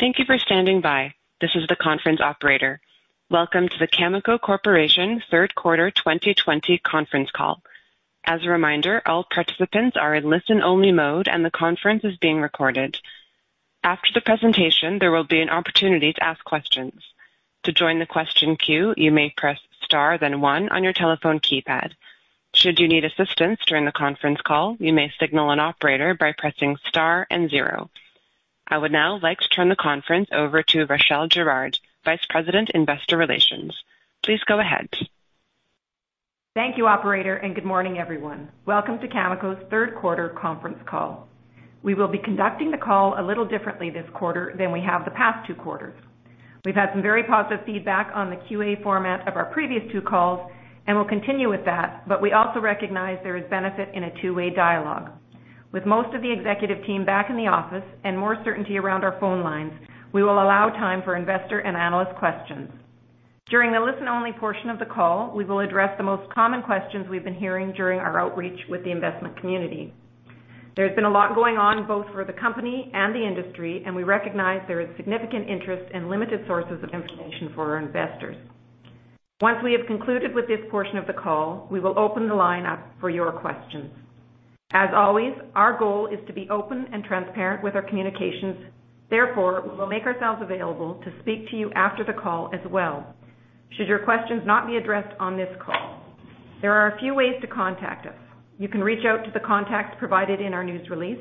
Welcome to the Cameco Corporation Third Quarter 2020 conference call. As a reminder, all participants are in listen-only mode and the conference is being recorded. After the presentation, there will be an opportunity to ask questions. To join the question queue, you may press star then one on your telephone keypad. Should you need assistance to join the conference call, you may signal an operator by pressing star and zero. I would now like to turn the conference over to Rachelle Girard, Vice President, Investor Relations. Please go ahead. Thank you operator. Good morning everyone. Welcome to Cameco's third quarter conference call. We will be conducting the call a little differently this quarter than we have the past two quarters. We've had some very positive feedback on the QA format of our previous two calls. We'll continue with that. We also recognize there is benefit in a two-way dialogue. With most of the executive team back in the office and more certainty around our phone lines, we will allow time for investor and analyst questions. During the listen-only portion of the call, we will address the most common questions we've been hearing during our outreach with the investment community. There's been a lot going on both for the company and the industry. We recognize there is significant interest and limited sources of information for our investors. Once we have concluded with this portion of the call, we will open the line up for your questions. As always, our goal is to be open and transparent with our communications. Therefore, we will make ourselves available to speak to you after the call as well should your questions not be addressed on this call. There are a few ways to contact us. You can reach out to the contacts provided in our news release.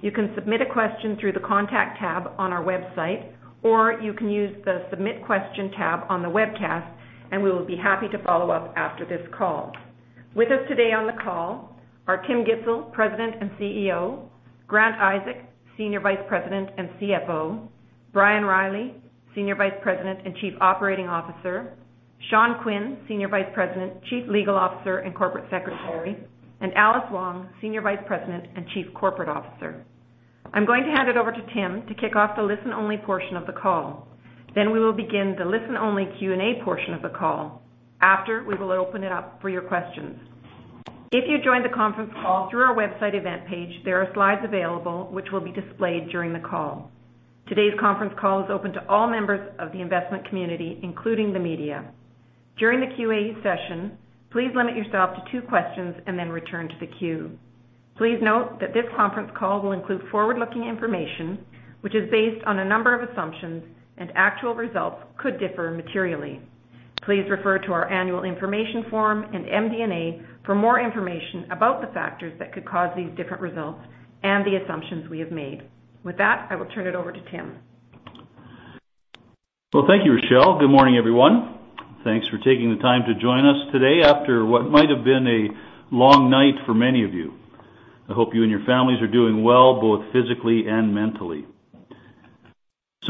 You can submit a question through the contact tab on our website, or you can use the submit question tab on the webcast, and we will be happy to follow up after this call. With us today on the call are Tim Gitzel, President and CEO, Grant Isaac, Senior Vice President and CFO, Brian Reilly, Senior Vice President and Chief Operating Officer, Sean Quinn, Senior Vice President, Chief Legal Officer and Corporate Secretary, and Alice Wong, Senior Vice President and Chief Corporate Officer. I'm going to hand it over to Tim to kick off the listen-only portion of the call. We will begin the listen-only Q&A portion of the call. After, we will open it up for your questions. If you joined the conference call through our website event page, there are slides available which will be displayed during the call. Today's conference call is open to all members of the investment community, including the media. During the Q&A session, please limit yourself to two questions and return to the queue. Please note that this conference call will include forward-looking information, which is based on a number of assumptions and actual results could differ materially. Please refer to our annual information form and MD&A for more information about the factors that could cause these different results and the assumptions we have made. With that, I will turn it over to Tim. Thank you, Rachelle. Good morning, everyone. Thanks for taking the time to join us today after what might have been a long night for many of you. I hope you and your families are doing well, both physically and mentally.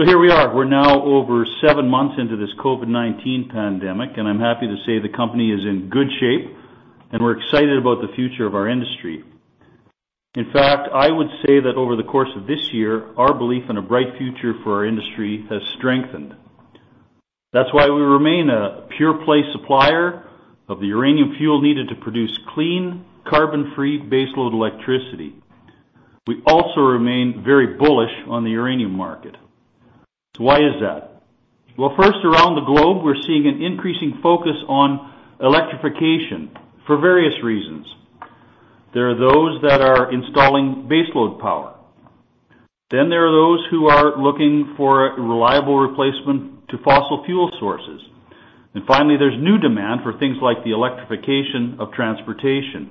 Here we are. We're now over seven months into this COVID-19 pandemic, and I'm happy to say the company is in good shape, and we're excited about the future of our industry. In fact, I would say that over the course of this year, our belief in a bright future for our industry has strengthened. That's why we remain a pure play supplier of the uranium fuel needed to produce clean, carbon-free baseload electricity. We also remain very bullish on the uranium market. Why is that? First, around the globe, we're seeing an increasing focus on electrification for various reasons. There are those that are installing baseload power. There are those who are looking for a reliable replacement to fossil fuel sources. Finally, there's new demand for things like the electrification of transportation.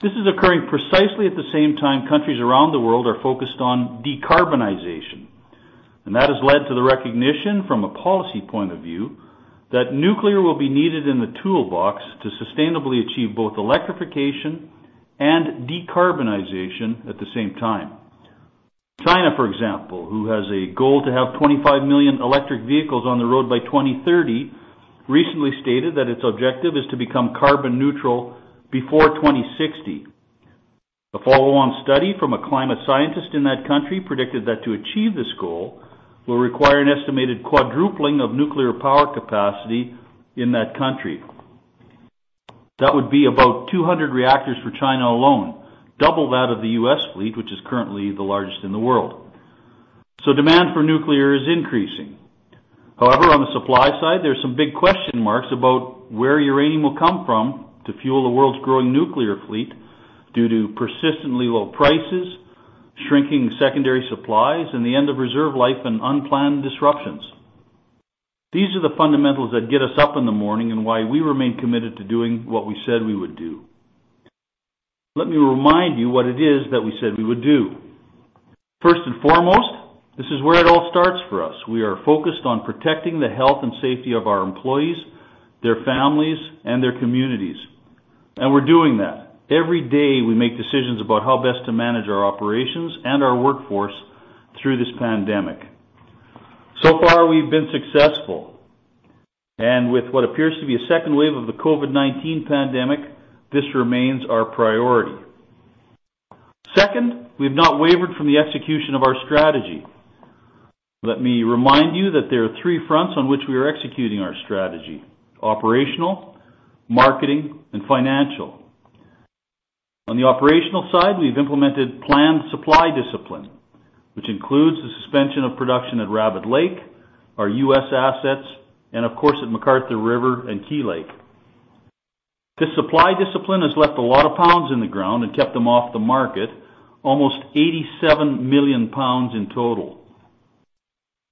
This is occurring precisely at the same time countries around the world are focused on decarbonization, and that has led to the recognition from a policy point of view that nuclear will be needed in the toolbox to sustainably achieve both electrification and decarbonization at the same time. China, for example, who has a goal to have 25 million electric vehicles on the road by 2030, recently stated that its objective is to become carbon neutral before 2060. A follow-on study from a climate scientist in that country predicted that to achieve this goal will require an estimated quadrupling of nuclear power capacity in that country. That would be about 200 reactors for China alone, double that of the U.S. fleet, which is currently the largest in the world. Demand for nuclear is increasing. However, on the supply side, there's some big question marks about where uranium will come from to fuel the world's growing nuclear fleet due to persistently low prices, shrinking secondary supplies, and the end of reserve life and unplanned disruptions. These are the fundamentals that get us up in the morning and why we remain committed to doing what we said we would do. Let me remind you what it is that we said we would do. First and foremost, this is where it all starts for us. We are focused on protecting the health and safety of our employees, their families, and their communities, and we're doing that. Every day, we make decisions about how best to manage our operations and our workforce through this pandemic. So far, we've been successful, and with what appears to be a second wave of the COVID-19 pandemic, this remains our priority. Second, we've not wavered from the execution of our strategy. Let me remind you that there are three fronts on which we are executing our strategy: operational, marketing, and financial. On the operational side, we've implemented planned supply discipline, which includes the suspension of production at Rabbit Lake, our U.S. assets, and of course, at McArthur River and Key Lake. This supply discipline has left a lot of pounds in the ground and kept them off the market, almost 87 million pounds in total.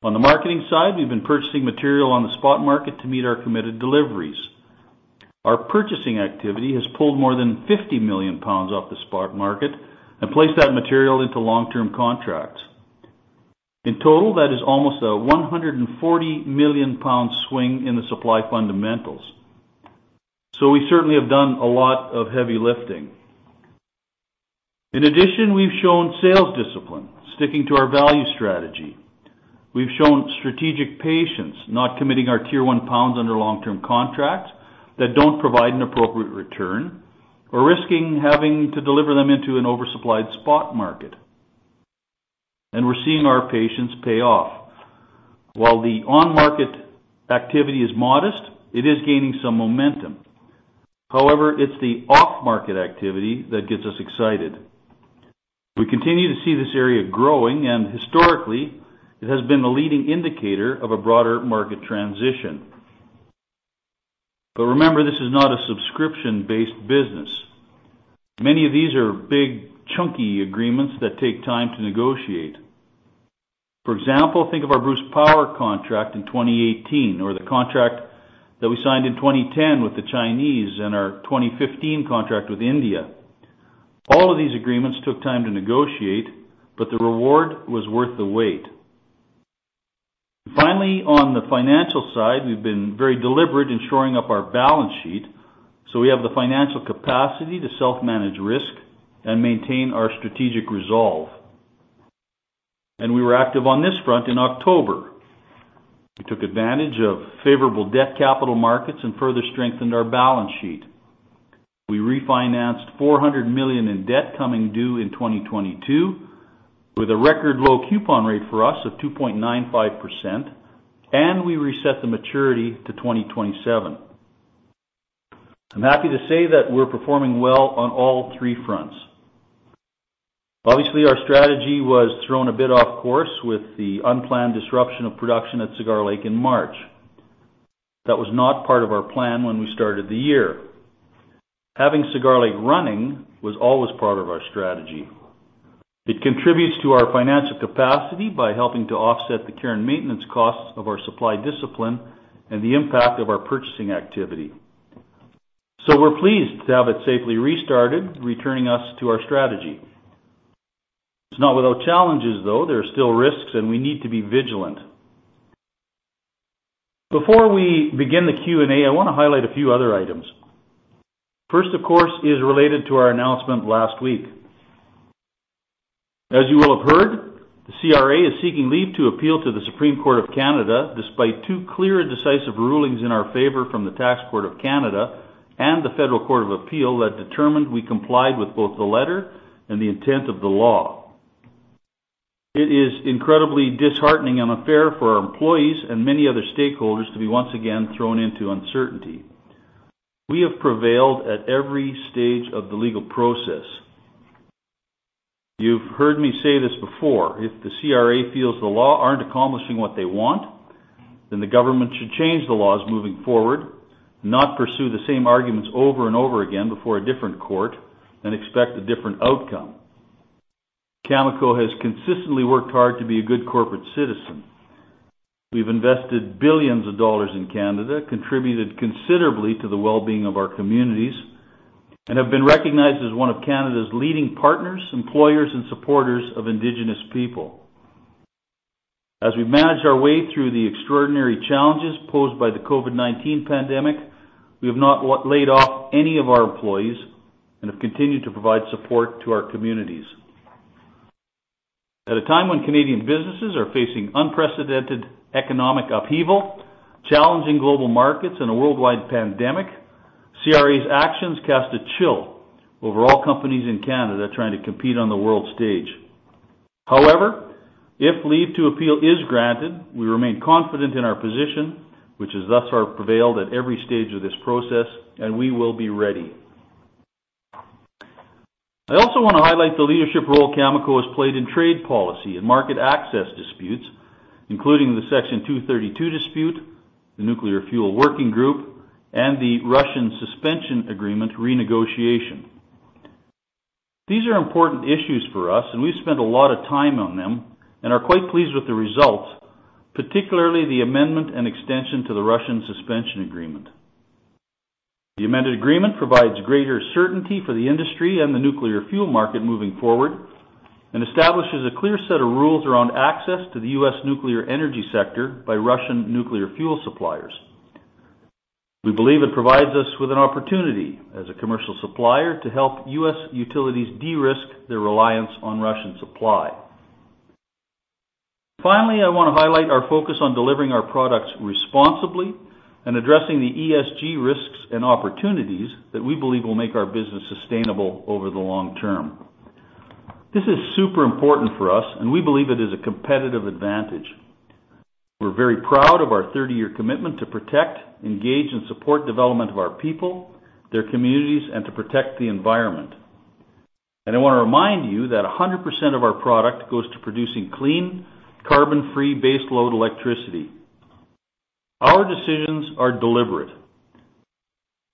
On the marketing side, we've been purchasing material on the spot market to meet our committed deliveries. Our purchasing activity has pulled more than 50 million pounds off the spot market and placed that material into long-term contracts. In total, that is almost 140 million pound swing in the supply fundamentals. We certainly have done a lot of heavy lifting. In addition, we've shown sales discipline, sticking to our value strategy. We've shown strategic patience, not committing our Tier 1 pounds under long-term contracts that don't provide an appropriate return or risking having to deliver them into an oversupplied spot market. We're seeing our patience pay off. While the on-market activity is modest, it is gaining some momentum. However, it's the off-market activity that gets us excited. We continue to see this area growing, and historically, it has been the leading indicator of a broader market transition. Remember, this is not a subscription-based business. Many of these are big, chunky agreements that take time to negotiate. For example, think of our Bruce Power contract in 2018, or the contract that we signed in 2010 with the Chinese, and our 2015 contract with India. All of these agreements took time to negotiate, but the reward was worth the wait. Finally, on the financial side, we've been very deliberate in shoring up our balance sheet, so we have the financial capacity to self-manage risk and maintain our strategic resolve. We were active on this front in October. We took advantage of favorable debt capital markets and further strengthened our balance sheet. We refinanced 400 million in debt coming due in 2022 with a record low coupon rate for us of 2.95%, and we reset the maturity to 2027. I'm happy to say that we're performing well on all three fronts. Obviously, our strategy was thrown a bit off course with the unplanned disruption of production at Cigar Lake in March. That was not part of our plan when we started the year. Having Cigar Lake running was always part of our strategy. It contributes to our financial capacity by helping to offset the care and maintenance costs of our supply discipline and the impact of our purchasing activity. We're pleased to have it safely restarted, returning us to our strategy. It's not without challenges, though. There are still risks, and we need to be vigilant. Before we begin the Q&A, I want to highlight a few other items. First, of course, is related to our announcement last week. As you will have heard, the CRA is seeking leave to appeal to the Supreme Court of Canada despite two clear and decisive rulings in our favor from the Tax Court of Canada and the Federal Court of Appeal that determined we complied with both the letter and the intent of the law. It is incredibly disheartening and unfair for our employees and many other stakeholders to be once again thrown into uncertainty. We have prevailed at every stage of the legal process. You've heard me say this before. If the CRA feels the law aren't accomplishing what they want, then the government should change the laws moving forward, not pursue the same arguments over and over again before a different court and expect a different outcome. Cameco has consistently worked hard to be a good corporate citizen. We've invested billions of dollars in Canada, contributed considerably to the well-being of our communities, and have been recognized as one of Canada's leading partners, employers, and supporters of Indigenous people. As we've managed our way through the extraordinary challenges posed by the COVID-19 pandemic, we have not laid off any of our employees and have continued to provide support to our communities. At a time when Canadian businesses are facing unprecedented economic upheaval, challenging global markets, and a worldwide pandemic, CRA's actions cast a chill over all companies in Canada trying to compete on the world stage. However, if leave to appeal is granted, we remain confident in our position, which has thus far prevailed at every stage of this process, and we will be ready. I also want to highlight the leadership role Cameco has played in trade policy and market access disputes, including the Section 232 dispute, the Nuclear Fuel Working Group, and the Russian Suspension Agreement renegotiation. These are important issues for us, and we've spent a lot of time on them and are quite pleased with the results, particularly the amendment and extension to the Russian Suspension Agreement. The amended agreement provides greater certainty for the industry and the nuclear fuel market moving forward and establishes a clear set of rules around access to the U.S. nuclear energy sector by Russian nuclear fuel suppliers. We believe it provides us with an opportunity as a commercial supplier to help U.S. utilities de-risk their reliance on Russian supply. Finally, I want to highlight our focus on delivering our products responsibly and addressing the ESG risks and opportunities that we believe will make our business sustainable over the long term. This is super important for us, and we believe it is a competitive advantage. We're very proud of our 30-year commitment to protect, engage, and support development of our people, their communities, and to protect the environment. I want to remind you that 100% of our product goes to producing clean, carbon-free base load electricity. Our decisions are deliberate.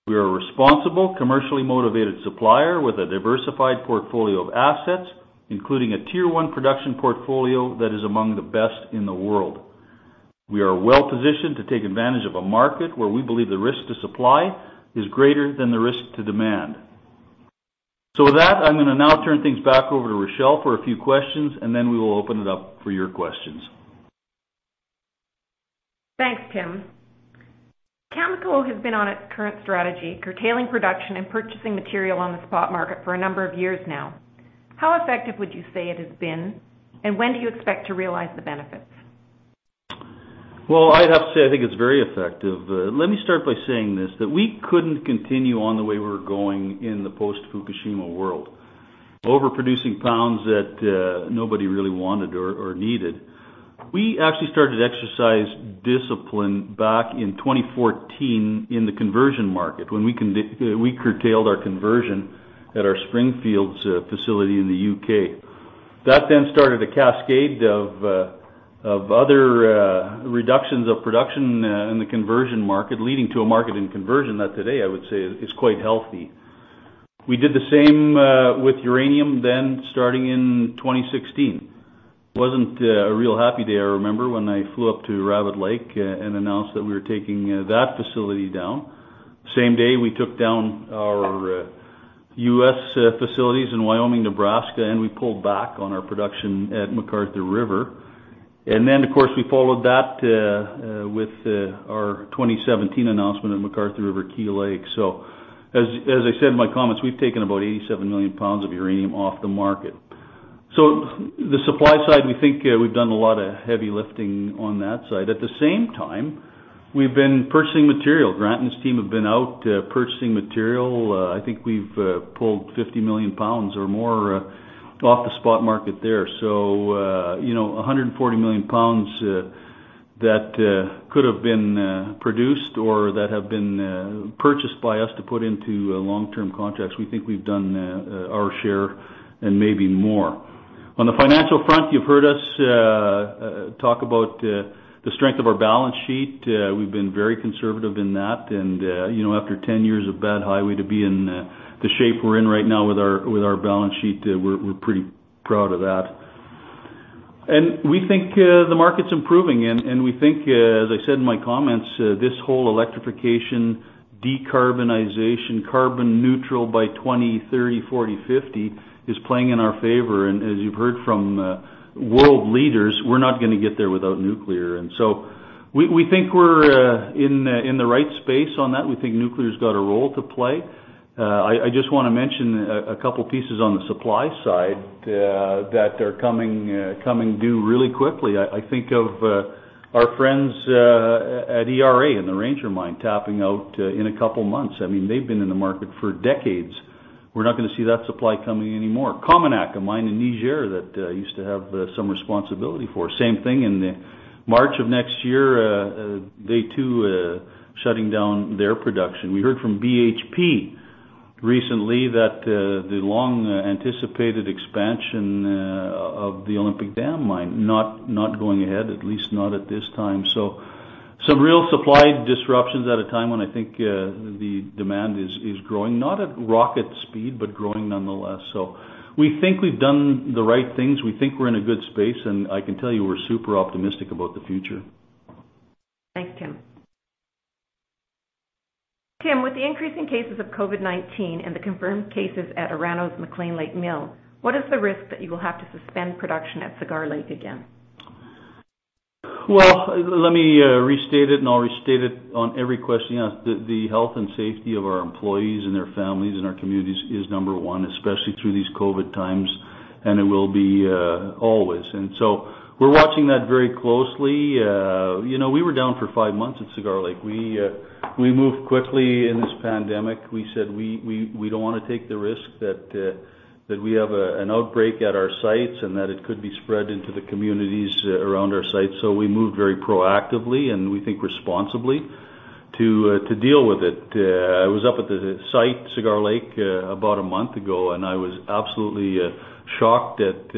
We are a responsible, commercially motivated supplier with a diversified portfolio of assets, including a Tier 1 production portfolio that is among the best in the world. We are well-positioned to take advantage of a market where we believe the risk to supply is greater than the risk to demand. With that, I'm going to now turn things back over to Rachelle for a few questions, and then we will open it up for your questions. Thanks, Tim. Cameco has been on its current strategy, curtailing production and purchasing material on the spot market for a number of years now. How effective would you say it has been, and when do you expect to realize the benefits? Well, I'd have to say, I think it's very effective. Let me start by saying this, that we couldn't continue on the way we were going in the post-Fukushima world, overproducing pounds that nobody really wanted or needed. We actually started to exercise discipline back in 2014 in the conversion market, when we curtailed our conversion at our Springfields facility in the U.K. That then started a cascade of other reductions of production in the conversion market, leading to a market in conversion that today, I would say is quite healthy. We did the same with uranium then starting in 2016. It wasn't a real happy day, I remember, when I flew up to Rabbit Lake and announced that we were taking that facility down. Same day we took down our U.S. facilities in Wyoming, Nebraska, and we pulled back on our production at McArthur River. Of course, we followed that with our 2017 announcement at McArthur River/Key Lake. As I said in my comments, we've taken about 87 million pounds of uranium off the market. The supply side, we think we've done a lot of heavy lifting on that side. At the same time, we've been purchasing material. Grant and his team have been out purchasing material. I think we've pulled 50 million pounds or more off the spot market there. 140 million pounds that could have been produced or that have been purchased by us to put into long-term contracts. We think we've done our share and maybe more. On the financial front, you've heard us talk about the strength of our balance sheet. We've been very conservative in that and after 10 years of bad highway, to be in the shape we're in right now with our balance sheet, we're pretty proud of that. We think the market's improving, and we think as I said in my comments, this whole electrification, decarbonization, carbon neutral by 2030, 2040, 2050 is playing in our favor. As you've heard from world leaders, we're not going to get there without nuclear. We think we're in the right space on that. We think nuclear's got a role to play. I just want to mention a couple pieces on the supply side that are coming due really quickly. I think of our friends at ERA in the Ranger mine tapping out in a couple of months. They've been in the market for decades. We're not going to see that supply coming anymore. COMINAK, a mine in Niger that I used to have some responsibility for, same thing. In March of next year, they too are shutting down their production. We heard from BHP recently that the long-anticipated expansion of the Olympic Dam mine, not going ahead, at least not at this time. Some real supply disruptions at a time when I think the demand is growing. Not at rocket speed, but growing nonetheless. We think we've done the right things. We think we're in a good space, and I can tell you we're super optimistic about the future. Thanks, Tim. Tim, with the increase in cases of COVID-19 and the confirmed cases at Orano's McClean Lake mill, what is the risk that you will have to suspend production at Cigar Lake again? Well, let me restate it. I'll restate it on every question. The health and safety of our employees and their families and our communities is number one, especially through these COVID times. It will be always. We're watching that very closely. We were down for five months at Cigar Lake. We moved quickly in this pandemic. We said we don't want to take the risk that we have an outbreak at our sites and that it could be spread into the communities around our sites. We moved very proactively, and we think responsibly to deal with it. I was up at the site, Cigar Lake, about a month ago. I was absolutely shocked at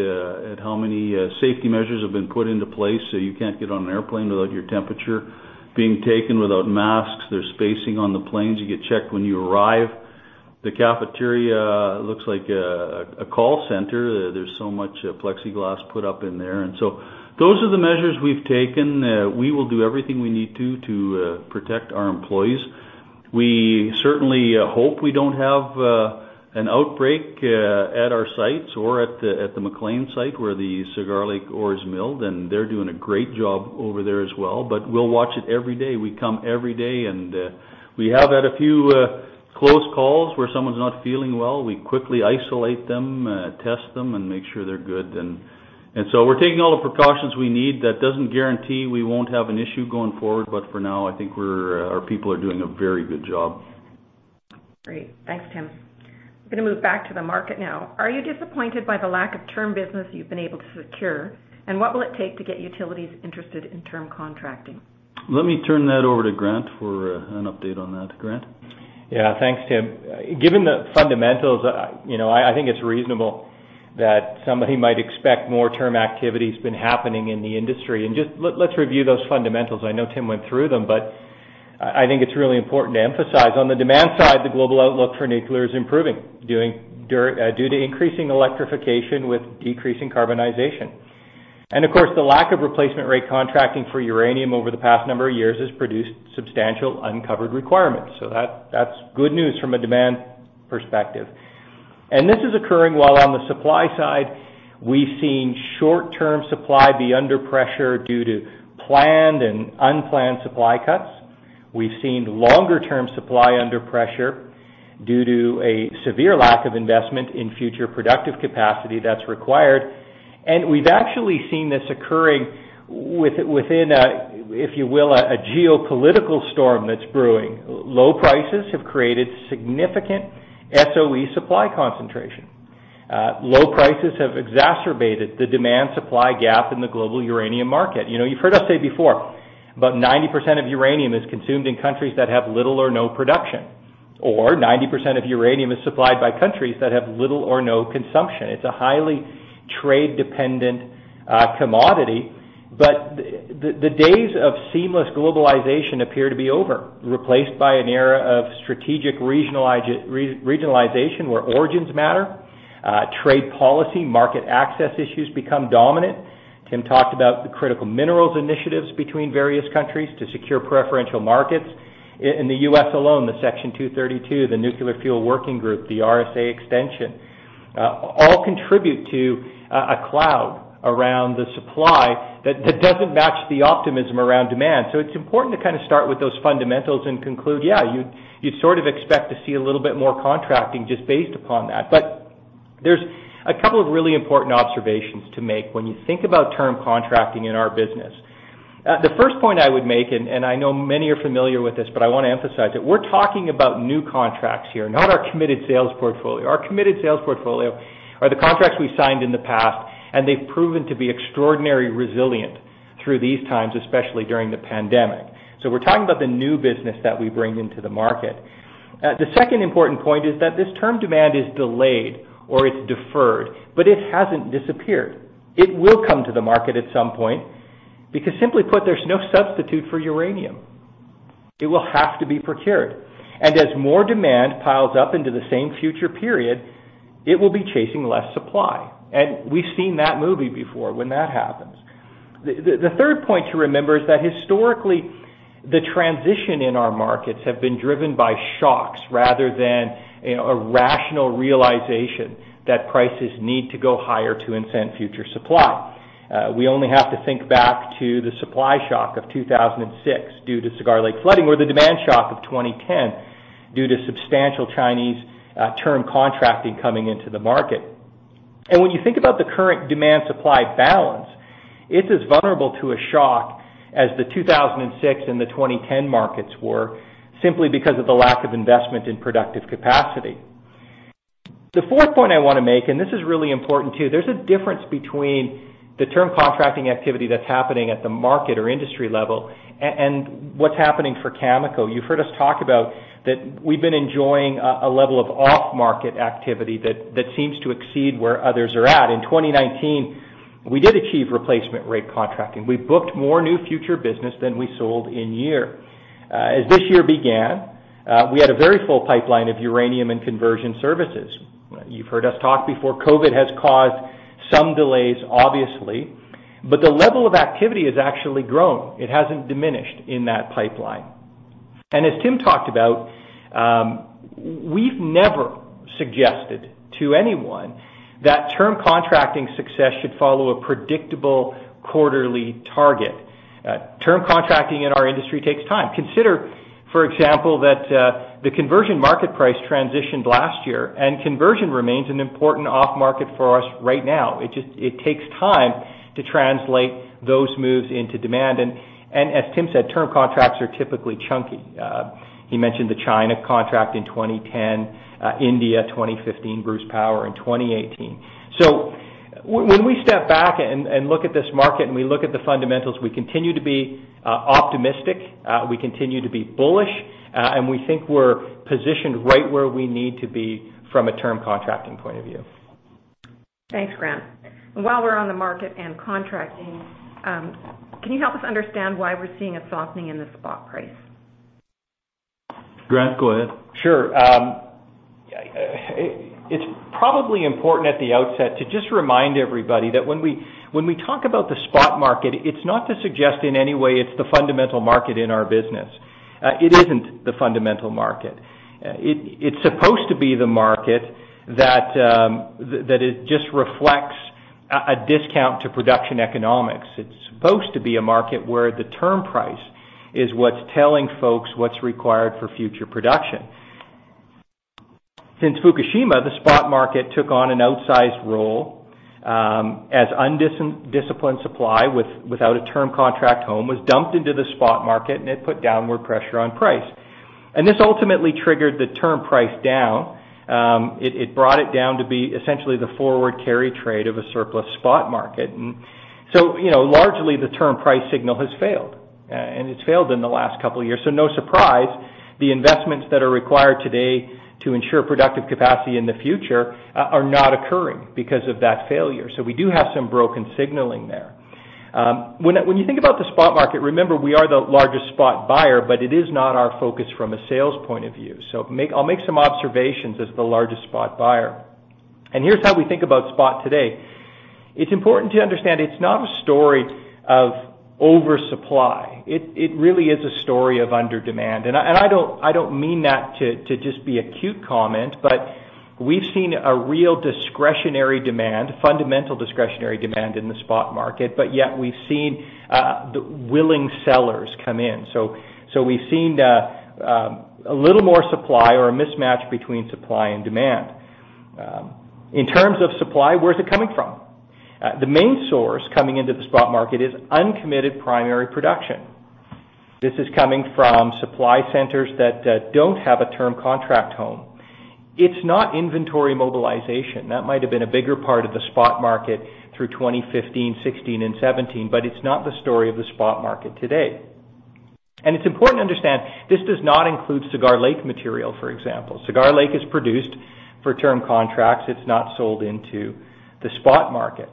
how many safety measures have been put into place. You can't get on an airplane without your temperature being taken, without masks. There's spacing on the planes. You get checked when you arrive. The cafeteria looks like a call center. There's so much plexiglass put up in there. Those are the measures we've taken. We will do everything we need to protect our employees. We certainly hope we don't have an outbreak at our sites or at the McClean site where the Cigar Lake ore is milled, and they're doing a great job over there as well. We'll watch it every day. We come every day and we have had a few close calls where someone's not feeling well. We quickly isolate them, test them, and make sure they're good. We're taking all the precautions we need. That doesn't guarantee we won't have an issue going forward, but for now, I think our people are doing a very good job. Great. Thanks, Tim. I'm going to move back to the market now. Are you disappointed by the lack of term business you've been able to secure? What will it take to get utilities interested in term contracting? Let me turn that over to Grant for an update on that. Grant? Yeah. Thanks, Tim. Given the fundamentals, I think it's reasonable that somebody might expect more term activity's been happening in the industry. Let's review those fundamentals. I know Tim went through them, I think it's really important to emphasize. On the demand side, the global outlook for nuclear is improving due to increasing electrification with decreasing carbonization. Of course, the lack of replacement rate contracting for uranium over the past number of years has produced substantial uncovered requirements. That's good news from a demand perspective. This is occurring while on the supply side, we've seen short-term supply be under pressure due to planned and unplanned supply cuts. We've seen longer-term supply under pressure due to a severe lack of investment in future productive capacity that's required. We've actually seen this occurring within a, if you will, a geopolitical storm that's brewing. Low prices have created significant SOE supply concentration. Low prices have exacerbated the demand supply gap in the global uranium market. You've heard us say before, about 90% of uranium is consumed in countries that have little or no production, or 90% of uranium is supplied by countries that have little or no consumption. It's a highly trade-dependent commodity. The days of seamless globalization appear to be over, replaced by an era of strategic regionalization where origins matter, trade policy, market access issues become dominant. Tim talked about the critical minerals initiatives between various countries to secure preferential markets. In the U.S. alone, the Section 232, the Nuclear Fuel Working Group, the RSA extension all contribute to a cloud around the supply that doesn't match the optimism around demand. It's important to start with those fundamentals and conclude, yeah, you sort of expect to see a little bit more contracting just based upon that. There's a couple of really important observations to make when you think about term contracting in our business. The first point I would make, and I know many are familiar with this, but I want to emphasize it, we're talking about new contracts here, not our committed sales portfolio. Our committed sales portfolio are the contracts we signed in the past, and they've proven to be extraordinarily resilient through these times, especially during the pandemic. We're talking about the new business that we bring into the market. The second important point is that this term demand is delayed or it's deferred, but it hasn't disappeared. It will come to the market at some point because simply put, there's no substitute for uranium. It will have to be procured. As more demand piles up into the same future period, it will be chasing less supply. We've seen that movie before when that happens. The third point to remember is that historically, the transition in our markets have been driven by shocks rather than a rational realization that prices need to go higher to incent future supply. We only have to think back to the supply shock of 2006 due to Cigar Lake flooding or the demand shock of 2010 due to substantial Chinese term contracting coming into the market. When you think about the current demand supply balance, it's as vulnerable to a shock as the 2006 and the 2010 markets were simply because of the lack of investment in productive capacity. The fourth point I want to make, this is really important too, there's a difference between the term contracting activity that's happening at the market or industry level and what's happening for Cameco. You've heard us talk about that we've been enjoying a level of off-market activity that seems to exceed where others are at. In 2019, we did achieve replacement rate contracting. We booked more new future business than we sold in year. As this year began, we had a very full pipeline of uranium and conversion services. You've heard us talk before, COVID has caused some delays, obviously, the level of activity has actually grown. It hasn't diminished in that pipeline. As Tim talked about, we've never suggested to anyone that term contracting success should follow a predictable quarterly target. Term contracting in our industry takes time. Consider, for example, that the conversion market price transitioned last year, and conversion remains an important off-market for us right now. It takes time to translate those moves into demand. As Tim said, term contracts are typically chunky. He mentioned the China contract in 2010, India 2015, Bruce Power in 2018. When we step back and look at this market and we look at the fundamentals, we continue to be optimistic, we continue to be bullish, and we think we're positioned right where we need to be from a term contracting point of view. Thanks, Grant. While we're on the market and contracting, can you help us understand why we're seeing a softening in the spot price? Grant, go ahead. Sure. It's probably important at the outset to just remind everybody that when we talk about the spot market, it's not to suggest in any way it's the fundamental market in our business. It isn't the fundamental market. It's supposed to be the market that just reflects a discount to production economics. It's supposed to be a market where the term price is what's telling folks what's required for future production. Since Fukushima, the spot market took on an outsized role, as undisciplined supply without a term contract home was dumped into the spot market, and it put downward pressure on price. This ultimately triggered the term price down. It brought it down to be essentially the forward carry trade of a surplus spot market. Largely the term price signal has failed, and it's failed in the last couple of years. No surprise, the investments that are required today to ensure productive capacity in the future are not occurring because of that failure. We do have some broken signaling there. When you think about the spot market, remember, we are the largest spot buyer, but it is not our focus from a sales point of view. I'll make some observations as the largest spot buyer, and here's how we think about spot today. It's important to understand it's not a story of oversupply. It really is a story of under demand. I don't mean that to just be a cute comment, but we've seen a real discretionary demand, fundamental discretionary demand in the spot market. Yet we've seen the willing sellers come in. We've seen a little more supply or a mismatch between supply and demand. In terms of supply, where's it coming from? The main source coming into the spot market is uncommitted primary production. This is coming from supply centers that don't have a term contract home. It's not inventory mobilization. That might have been a bigger part of the spot market through 2015, 2016, and 2017, but it's not the story of the spot market today. It's important to understand this does not include Cigar Lake material, for example. Cigar Lake is produced for term contracts. It's not sold into the spot market.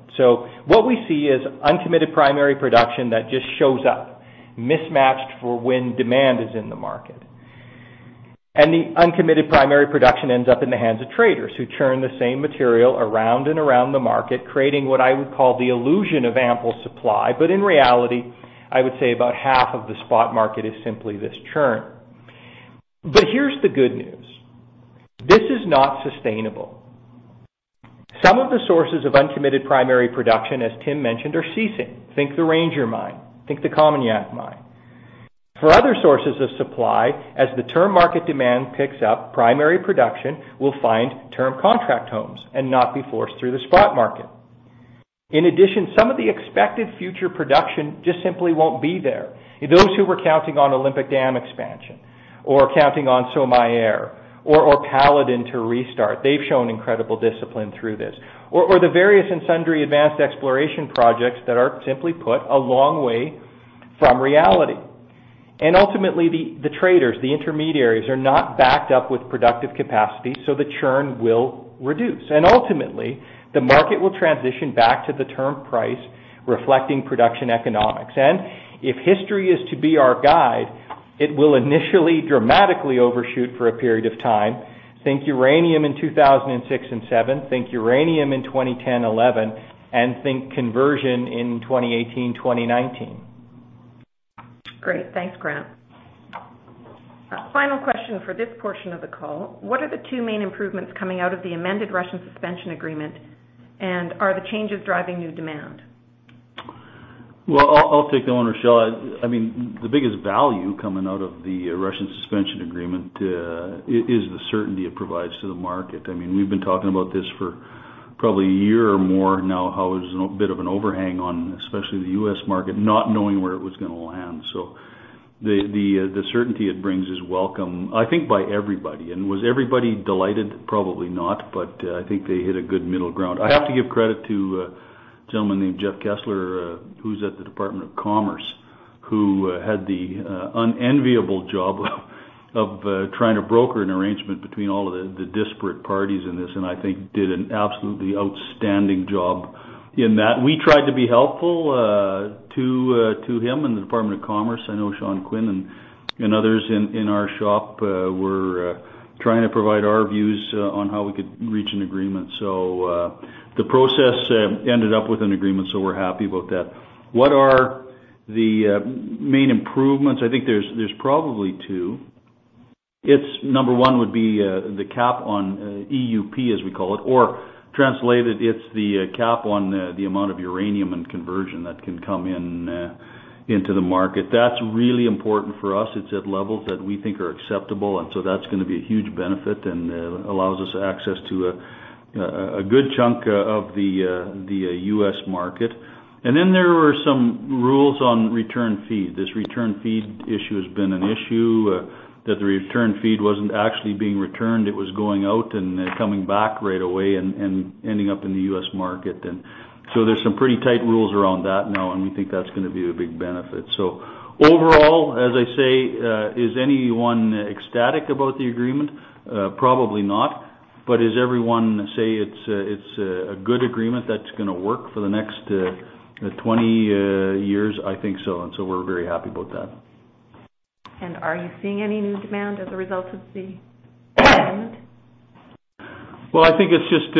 What we see is uncommitted primary production that just shows up, mismatched for when demand is in the market. The uncommitted primary production ends up in the hands of traders who churn the same material around and around the market, creating what I would call the illusion of ample supply. In reality, I would say about half of the spot market is simply this churn. Here's the good news. This is not sustainable. Some of the sources of uncommitted primary production, as Tim mentioned, are ceasing. Think the Ranger mine, think the COMINAK mine. For other sources of supply, as the term market demand picks up, primary production will find term contract homes and not be forced through the spot market. In addition, some of the expected future production just simply won't be there. Those who were counting on Olympic Dam expansion or counting on Somaïr or Paladin to restart, they've shown incredible discipline through this. The various and sundry advanced exploration projects that are, simply put, a long way from reality. Ultimately, the traders, the intermediaries, are not backed up with productive capacity, so the churn will reduce. Ultimately, the market will transition back to the term price, reflecting production economics. If history is to be our guide, it will initially dramatically overshoot for a period of time. Think uranium in 2006 and 2007, think uranium in 2010, 2011, and think conversion in 2018, 2019. Great. Thanks, Grant. Final question for this portion of the call. What are the two main improvements coming out of the amended Russian Suspension Agreement, and are the changes driving new demand? Well, I'll take that one, Rachelle. The biggest value coming out of the Russian Suspension Agreement is the certainty it provides to the market. We've been talking about this for probably a year or more now, how there's a bit of an overhang on especially the U.S. market not knowing where it was going to land. The certainty it brings is welcome, I think by everybody. Was everybody delighted? Probably not, I think they hit a good middle ground. I have to give credit to a gentleman named Jeffrey Kessler who's at the Department of Commerce, who had the unenviable job of trying to broker an arrangement between all of the disparate parties in this and I think did an absolutely outstanding job in that. We tried to be helpful to him and the Department of Commerce. I know Sean Quinn and others in our shop were trying to provide our views on how we could reach an agreement. The process ended up with an agreement, so we're happy about that. What are the main improvements? I think there's probably two. Number one would be the cap on EUP, as we call it, or translated, it's the cap on the amount of uranium and conversion that can come into the market. That's really important for us. It's at levels that we think are acceptable, that's going to be a huge benefit and allows us access to a good chunk of the U.S. market. There are some rules on return feed. This return feed issue has been an issue that the return feed wasn't actually being returned. It was going out and coming back right away and ending up in the U.S. market. There's some pretty tight rules around that now, and we think that's going to be a big benefit. Overall, as I say, is anyone ecstatic about the agreement? Probably not. Does everyone say it's a good agreement that's going to work for the next 20 years? I think so, and so we're very happy about that. Are you seeing any new demand as a result of the agreement? Well, I think it's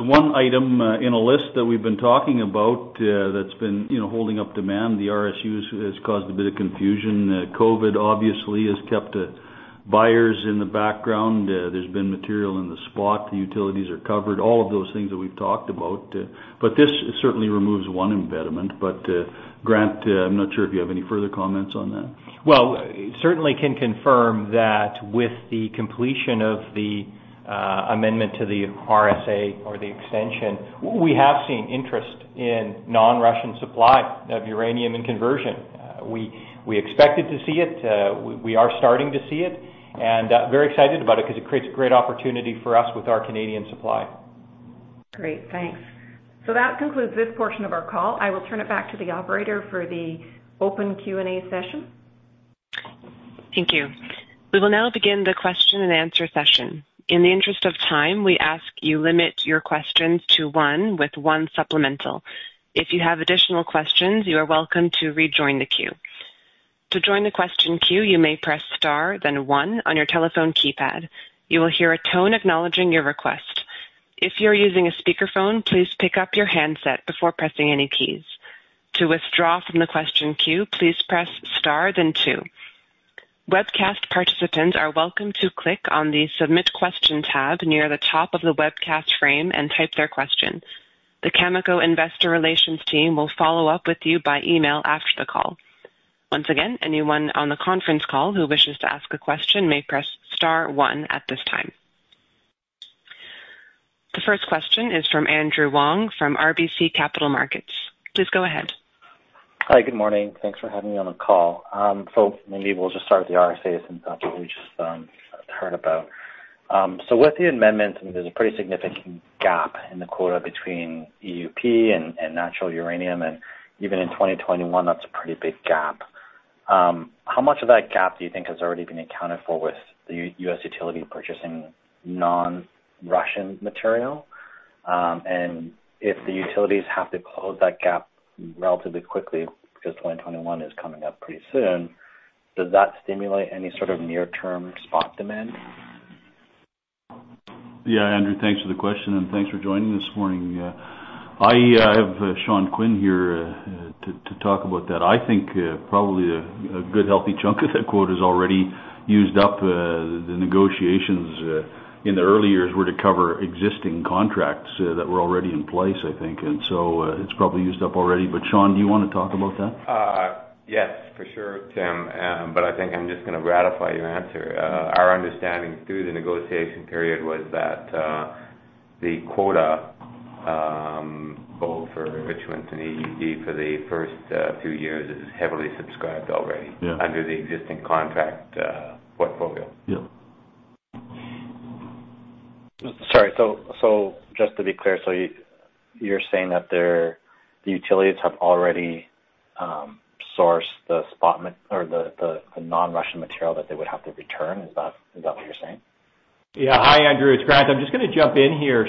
one item in a list that we've been talking about that's been holding up demand. The RSU has caused a bit of confusion. COVID obviously has kept Buyers in the background, there's been material in the spot, the utilities are covered, all of those things that we've talked about. This certainly removes one impediment. Grant, I'm not sure if you have any further comments on that. Certainly can confirm that with the completion of the amendment to the RSA or the extension, we have seen interest in non-Russian supply of uranium and conversion. We expected to see it. We are starting to see it, and very excited about it because it creates a great opportunity for us with our Canadian supply. Great, thanks. That concludes this portion of our call. I will turn it back to the operator for the open Q&A session. Thank you. We will now begin the question-and-answer session. In the interest of time, we ask you limit your questions to one with one supplemental. If you have additional questions, you are welcome to rejoin the queue. To join the question queue, you may press star then one on your telephone keypad. You will hear a tone acknowledging your request. If you're using a speakerphone, please pick up your handset before pressing any keys. To withdraw from the question queue, please press star then two. Webcast participants are welcome to click on the Submit Question tab near the top of the webcast frame and type their question. The Cameco investor relations team will follow up with you by email after the call. Once again, anyone on the conference call who wishes to ask a question may press star one at this time. The first question is from Andrew Wong from RBC Capital Markets. Please go ahead. Hi, good morning. Thanks for having me on the call. Maybe we'll just start with the RSAs and what we just heard about. With the amendments, there's a pretty significant gap in the quota between EUP and natural uranium, and even in 2021, that's a pretty big gap. How much of that gap do you think has already been accounted for with the U.S. utility purchasing non-Russian material? If the utilities have to close that gap relatively quickly, because 2021 is coming up pretty soon, does that stimulate any sort of near-term spot demand? Andrew, thanks for the question, and thanks for joining this morning. I have Sean Quinn here to talk about that. I think probably a good healthy chunk of that quota is already used up. The negotiations in the early years were to cover existing contracts that were already in place, I think. It's probably used up already. Sean, do you want to talk about that? Yes, for sure, Tim, I think I'm just going to ratify your answer. Our understanding through the negotiation period was that the quota, both for enrichments and EUP for the first few years, is heavily subscribed already. Yeah under the existing contract portfolio. Yeah. Sorry. Just to be clear, so you're saying that the utilities have already sourced the spot or the non-Russian material that they would have to return? Is that what you're saying? Hi, Andrew, it's Grant. I'm just going to jump in here.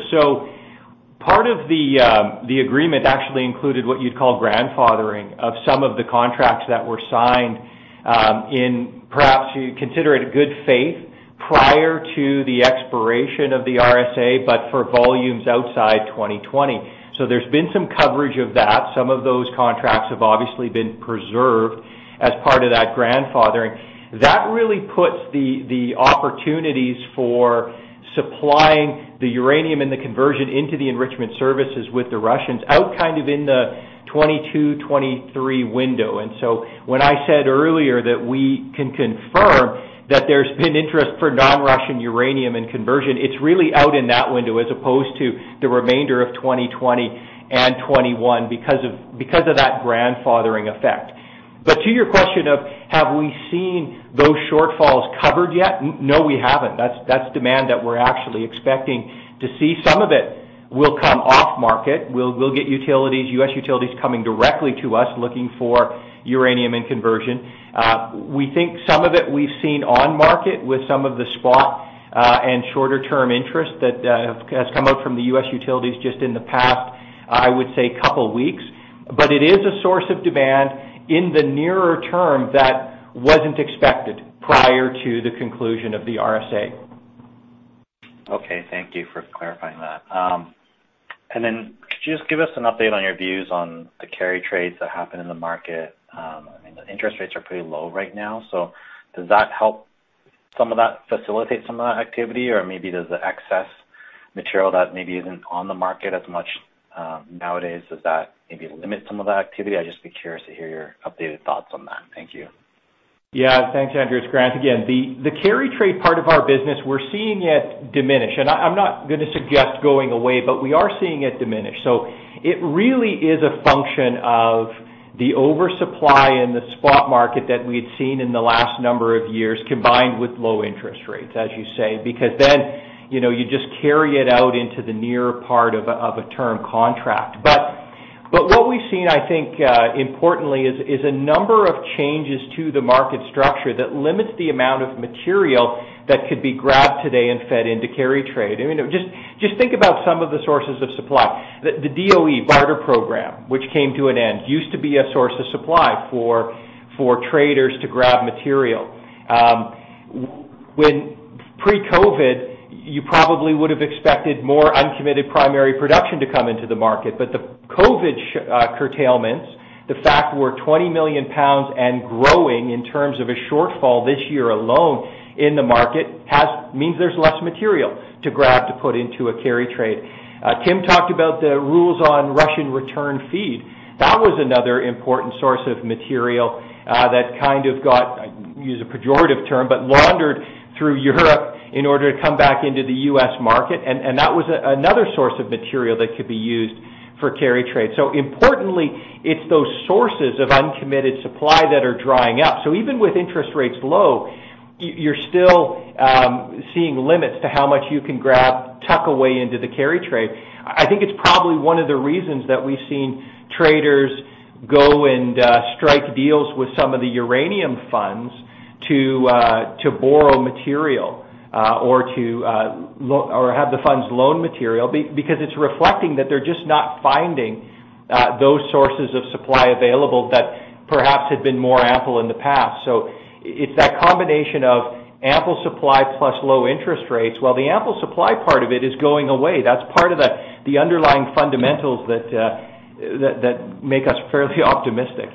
Part of the agreement actually included what you'd call grandfathering of some of the contracts that were signed in perhaps you consider it good faith prior to the expiration of the RSA, but for volumes outside 2020. There's been some coverage of that. Some of those contracts have obviously been preserved as part of that grandfathering. That really puts the opportunities for supplying the uranium and the conversion into the enrichment services with the Russians out in the 2022, 2023 window. When I said earlier that we can confirm that there's been interest for non-Russian uranium and conversion, it's really out in that window as opposed to the remainder of 2020 and 2021 because of that grandfathering effect. To your question of have we seen those shortfalls covered yet? No, we haven't. That's demand that we're actually expecting to see. Some of it will come off market. We'll get U.S. utilities coming directly to us looking for uranium and conversion. We think some of it we've seen on market with some of the spot, and shorter term interest that has come out from the U.S. utilities just in the past, I would say couple weeks. But it is a source of demand in the nearer term that wasn't expected prior to the conclusion of the RSA. Okay. Thank you for clarifying that. Could you just give us an update on your views on the carry trades that happen in the market? I mean, the interest rates are pretty low right now, does that help some of that facilitate some of that activity? Maybe there's the excess material that maybe isn't on the market as much nowadays, does that maybe limit some of that activity? I'd just be curious to hear your updated thoughts on that. Thank you. Yeah. Thanks, Andrew. It's Grant again. The carry trade part of our business, we're seeing it diminish, and I'm not going to suggest going away, but we are seeing it diminish. It really is a function of the oversupply in the spot market that we had seen in the last number of years, combined with low interest rates, as you say, because then you just carry it out into the nearer part of a term contract. What we've seen, I think importantly is a number of changes to the market structure that limits the amount of material that could be grabbed today and fed into carry trade. Just think about some of the sources of supply. The DOE barter program, which came to an end, used to be a source of supply for traders to grab material. Pre-COVID, you probably would have expected more uncommitted primary production to come into the market, the COVID curtailments, the fact we're 20 million pounds and growing in terms of a shortfall this year alone in the market means there's less material to grab to put into a carry trade. Tim talked about the rules on Russian return feed. That was another important source of material that kind of got, use a pejorative term, but laundered through Europe in order to come back into the U.S. market, and that was another source of material that could be used for carry trade. Importantly, it's those sources of uncommitted supply that are drying up. Even with interest rates low, you're still seeing limits to how much you can grab, tuck away into the carry trade. I think it's probably one of the reasons that we've seen traders go and strike deals with some of the uranium funds to borrow material or have the funds loan material, because it's reflecting that they're just not finding those sources of supply available that perhaps had been more ample in the past. It's that combination of ample supply plus low interest rates, while the ample supply part of it is going away. That's part of the underlying fundamentals that make us fairly optimistic.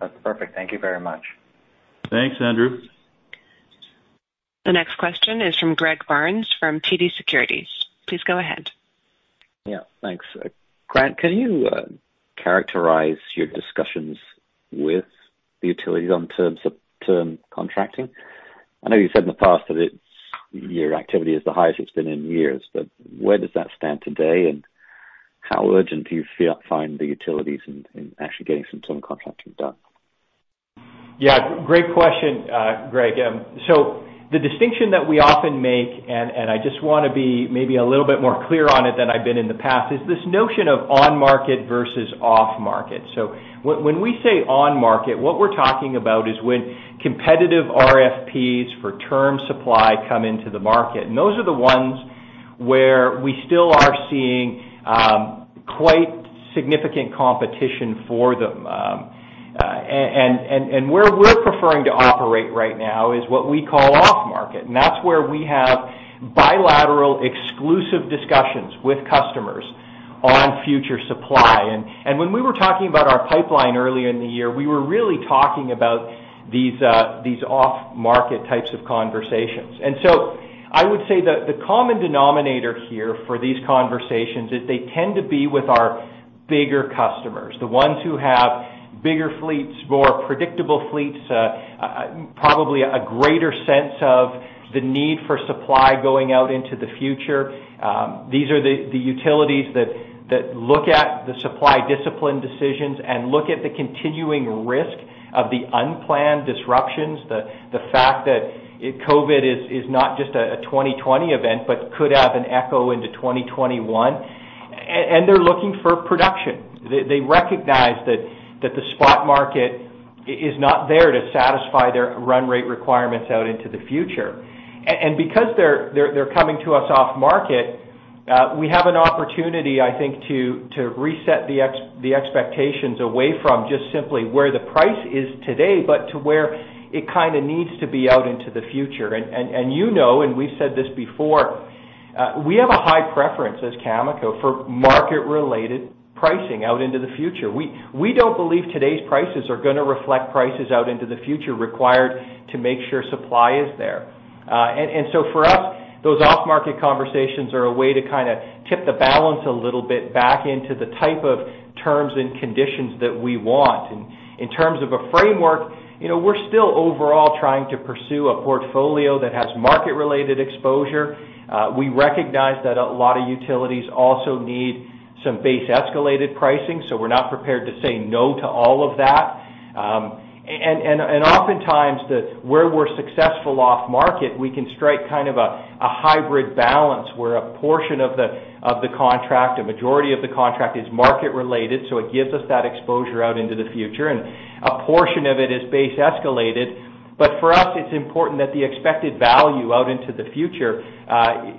That's perfect. Thank you very much. Thanks, Andrew. The next question is from Greg Barnes from TD Securities. Please go ahead. Yeah. Thanks. Grant, can you characterize your discussions with the utilities on terms of term contracting? I know you've said in the past that your activity is the highest it's been in years, but where does that stand today, and how urgent do you find the utilities in actually getting some term contracting done? Yeah, great question, Greg. The distinction that we often make, and I just want to be maybe a little bit more clear on it than I've been in the past, is this notion of on-market versus off-market. When we say on-market, what we're talking about is when competitive RFPs for term supply come into the market, and those are the ones where we still are seeing quite significant competition for them. Where we're preferring to operate right now is what we call off-market, and that's where we have bilateral exclusive discussions with customers on future supply. When we were talking about our pipeline earlier in the year, we were really talking about these off-market types of conversations. I would say the common denominator here for these conversations is they tend to be with our bigger customers, the ones who have bigger fleets, more predictable fleets, probably a greater sense of the need for supply going out into the future. These are the utilities that look at the supply discipline decisions and look at the continuing risk of the unplanned disruptions, the fact that COVID is not just a 2020 event but could have an echo into 2021. They're looking for production. They recognize that the spot market is not there to satisfy their run rate requirements out into the future. Because they're coming to us off-market, we have an opportunity, I think, to reset the expectations away from just simply where the price is today, but to where it kind of needs to be out into the future. You know, we've said this before, we have a high preference as Cameco for market-related pricing out into the future. We don't believe today's prices are going to reflect prices out into the future required to make sure supply is there. For us, those off-market conversations are a way to kind of tip the balance a little bit back into the type of terms and conditions that we want. In terms of a framework, we're still overall trying to pursue a portfolio that has market-related exposure. We recognize that a lot of utilities also need some base-escalated pricing, so we're not prepared to say no to all of that. Oftentimes, where we're successful off-market, we can strike kind of a hybrid balance where a portion of the contract, a majority of the contract is market-related, so it gives us that exposure out into the future, and a portion of it is base-escalated. For us, it's important that the expected value out into the future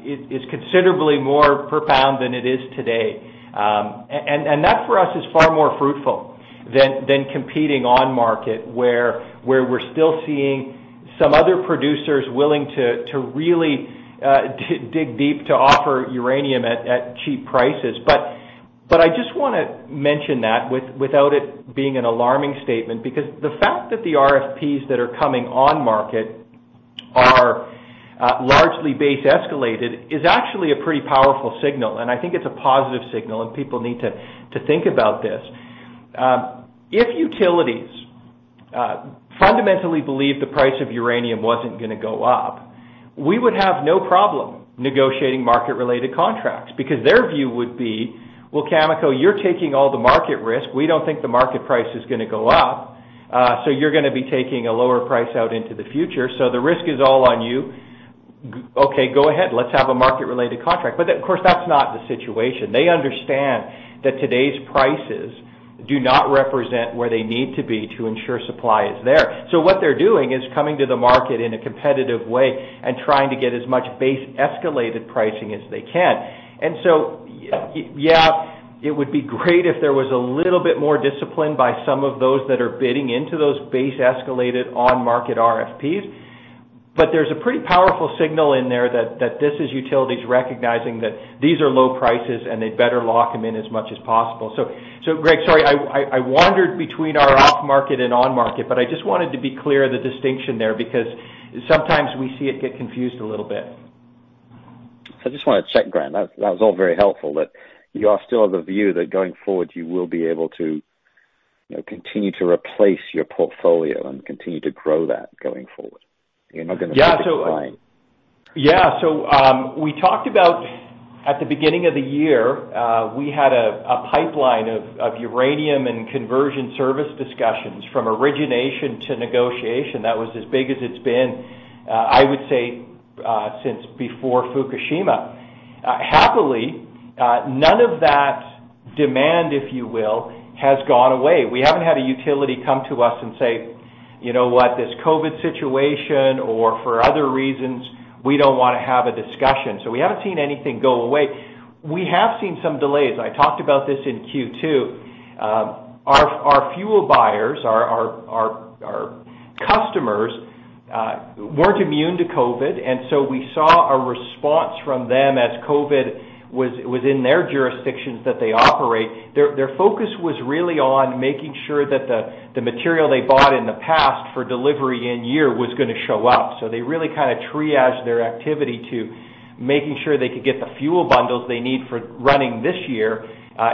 is considerably more profound than it is today. That for us is far more fruitful than competing on-market, where we're still seeing some other producers willing to really dig deep to offer uranium at cheap prices. I just want to mention that without it being an alarming statement, because the fact that the RFPs that are coming on-market are largely base-escalated is actually a pretty powerful signal, and I think it's a positive signal and people need to think about this. If utilities fundamentally believe the price of uranium wasn't going to go up, we would have no problem negotiating market-related contracts because their view would be, "Well, Cameco, you're taking all the market risk. We don't think the market price is going to go up. You're going to be taking a lower price out into the future. The risk is all on you. Okay, go ahead. Let's have a market-related contract." Of course, that's not the situation. They understand that today's prices do not represent where they need to be to ensure supply is there. What they're doing is coming to the market in a competitive way and trying to get as much base-escalated pricing as they can. Yeah, it would be great if there was a little bit more discipline by some of those that are bidding into those base-escalated on-market RFPs. There's a pretty powerful signal in there that this is utilities recognizing that these are low prices and they better lock them in as much as possible. Greg, sorry, I wandered between our off-market and on-market, I just wanted to be clear the distinction there, because sometimes we see it get confused a little bit. I just want to check, Grant, that was all very helpful, that you are still of the view that going forward, you will be able to continue to replace your portfolio and continue to grow that going forward. Yeah decline. Yea`h. We talked about at the beginning of the year, we had a pipeline of uranium and conversion service discussions from origination to negotiation that was as big as it's been, I would say, since before Fukushima. Happily, none of that demand, if you will, has gone away. We haven't had a utility come to us and say, "You know what, this COVID situation or for other reasons, we don't want to have a discussion." We haven't seen anything go away. We have seen some delays. I talked about this in Q2. Our fuel buyers, our customers weren't immune to COVID, and so we saw a response from them as COVID was within their jurisdictions that they operate. Their focus was really on making sure that the material they bought in the past for delivery in year was going to show up. They really triaged their activity to making sure they could get the fuel bundles they need for running this year,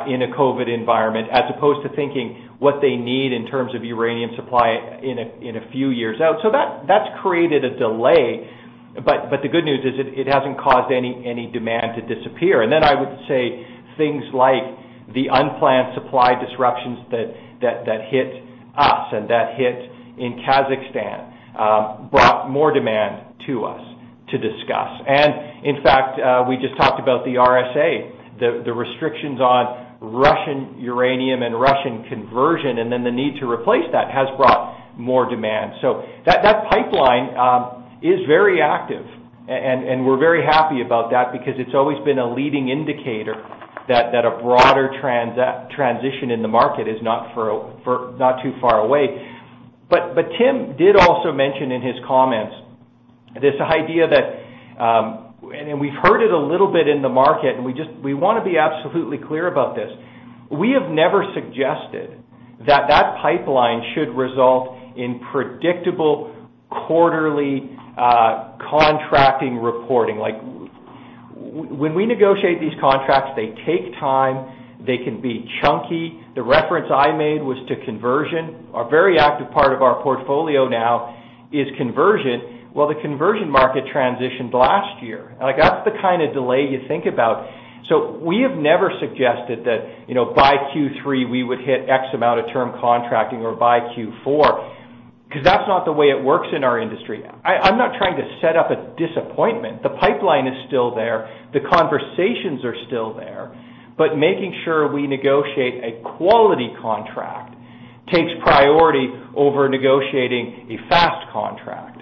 in a COVID environment, as opposed to thinking what they need in terms of uranium supply in a few years out. That's created a delay, but the good news is it hasn't caused any demand to disappear. I would say things like the unplanned supply disruptions that hit us and that hit in Kazakhstan, brought more demand to us to discuss. In fact, we just talked about the RSA, the restrictions on Russian uranium and Russian conversion, and then the need to replace that has brought more demand. That pipeline is very active and we're very happy about that because it's always been a leading indicator that a broader transition in the market is not too far away. Tim did also mention in his comments this idea that, and we've heard it a little bit in the market, and we want to be absolutely clear about this. We have never suggested that that pipeline should result in predictable quarterly contracting reporting. When we negotiate these contracts, they take time. They can be chunky. The reference I made was to conversion. A very active part of our portfolio now is conversion. The conversion market transitioned last year, and that's the kind of delay you think about. We have never suggested that by Q3, we would hit X amount of term contracting or by Q4, because that's not the way it works in our industry. I'm not trying to set up a disappointment. The pipeline is still there, the conversations are still there, but making sure we negotiate a quality contract takes priority over negotiating a fast contract.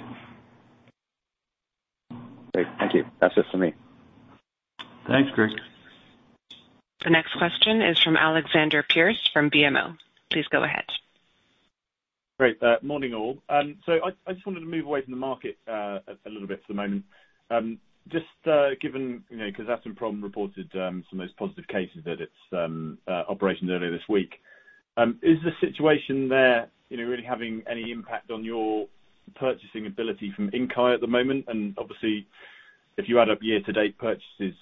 Great. Thank you. That's it for me. Thanks, Greg. The next question is from Alexander Pearce from BMO. Please go ahead. Great. Morning, all. I just wanted to move away from the market a little bit for the moment. Just given, because Kazatomprom reported some of those positive cases at its operations earlier this week. Is the situation there really having any impact on your purchasing ability from Inkai at the moment? Obviously, if you add up year to date purchases,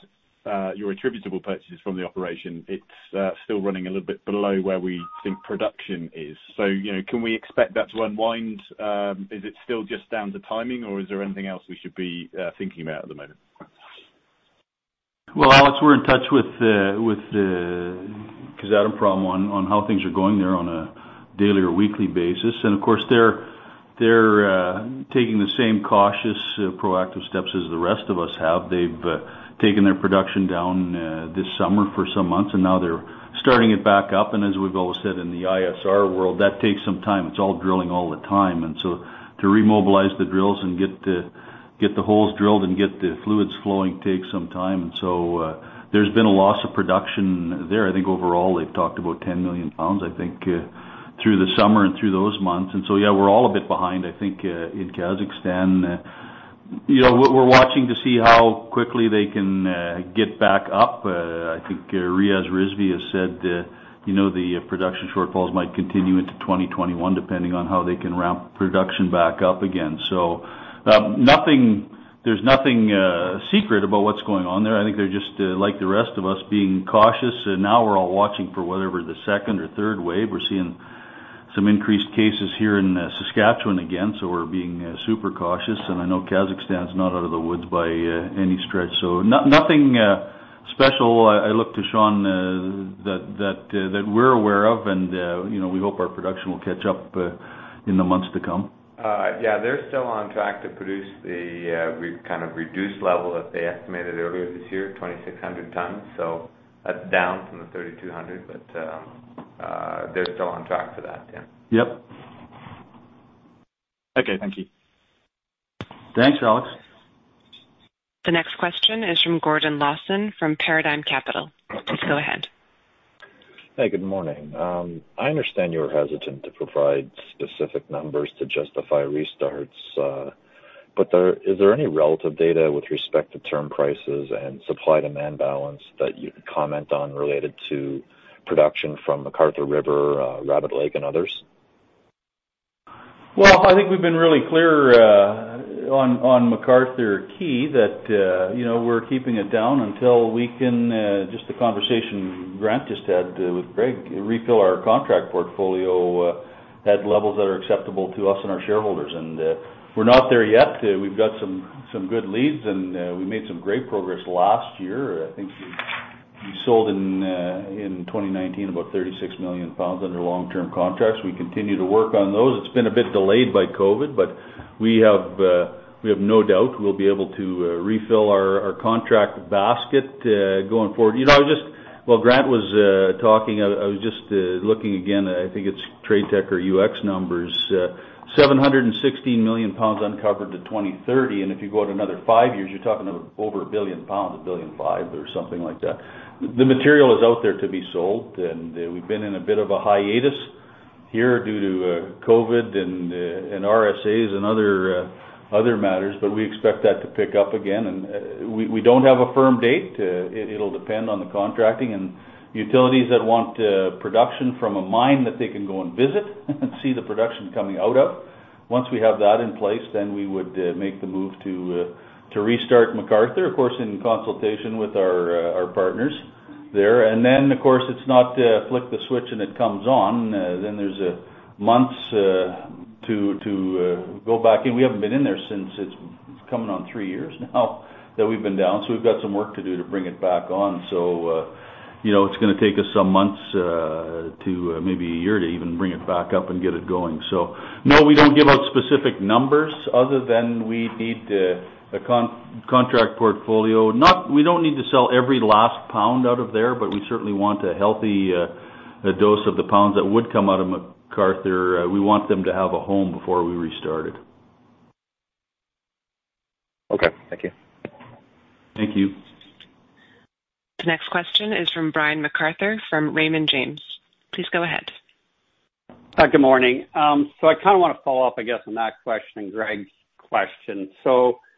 your attributable purchases from the operation, it is still running a little bit below where we think production is. Can we expect that to unwind? Is it still just down to timing, or is there anything else we should be thinking about at the moment? Well, Alex, we're in touch with Kazatomprom on how things are going there on a daily or weekly basis. Of course, they're taking the same cautious, proactive steps as the rest of us have. They've taken their production down this summer for some months, and now they're starting it back up. As we've always said in the ISR world, that takes some time. It's all drilling all the time. To remobilize the drills and get the holes drilled and get the fluids flowing takes some time. There's been a loss of production there. I think overall they've talked about 10 million pounds, I think, through the summer and through those months. Yeah, we're all a bit behind, I think, in Kazakhstan. We're watching to see how quickly they can get back up. I think Riaz Rizvi has said the production shortfalls might continue into 2021, depending on how they can ramp production back up again. There's nothing secret about what's going on there. I think they're just like the rest of us being cautious. Now we're all watching for whatever the second or third wave. We're seeing some increased cases here in Saskatchewan again, so we're being super cautious. I know Kazakhstan's not out of the woods by any stretch, so nothing special. I look to Sean that we're aware of, and we hope our production will catch up in the months to come. Yeah. They're still on track to produce the reduced level that they estimated earlier this year, 2,600 tons. That's down from the 3,200, but they're still on track for that. Yeah. Yep. Okay. Thank you. Thanks, Alex. The next question is from Gordon Lawson from Paradigm Capital. Please go ahead. Hey, good morning. I understand you're hesitant to provide specific numbers to justify restarts. Is there any relative data with respect to term prices and supply-demand balance that you can comment on related to production from McArthur River, Rabbit Lake, and others? I think we've been really clear on McArthur Key that we're keeping it down until we can, just the conversation Grant just had with Greg, refill our contract portfolio at levels that are acceptable to us and our shareholders. We're not there yet. We've got some good leads, and we made some great progress last year. I think we sold, in 2019, about 36 million pounds under long-term contracts. We continue to work on those. It's been a bit delayed by COVID, but we have no doubt we'll be able to refill our contract basket going forward. While Grant was talking, I was just looking again, I think it's TradeTech or UxC numbers, 716 million pounds uncovered to 2030, and if you go out another five years, you're talking about over a billion pounds, a billion and five or something like that. The material is out there to be sold. We've been in a bit of a hiatus here due to COVID and RSAs and other matters, but we expect that to pick up again. We don't have a firm date. It'll depend on the contracting and utilities that want production from a mine that they can go and visit and see the production coming out of. Once we have that in place, then we would make the move to restart McArthur, of course, in consultation with our partners there. Then, of course, it's not flick the switch and it comes on. There's months to go back in. We haven't been in there since it's coming on three years now that we've been down, so we've got some work to do to bring it back on. It's going to take us some months to maybe a year to even bring it back up and get it going. No, we don't give out specific numbers other than we need a contract portfolio. We don't need to sell every last pound out of there, but we certainly want a healthy dose of the pounds that would come out of McArthur. We want them to have a home before we restart it. Okay, thank you. Thank you. The next question is from Brian MacArthur from Raymond James. Please go ahead. Hi, good morning. I kind of want to follow up, I guess, on that question and Greg's question. The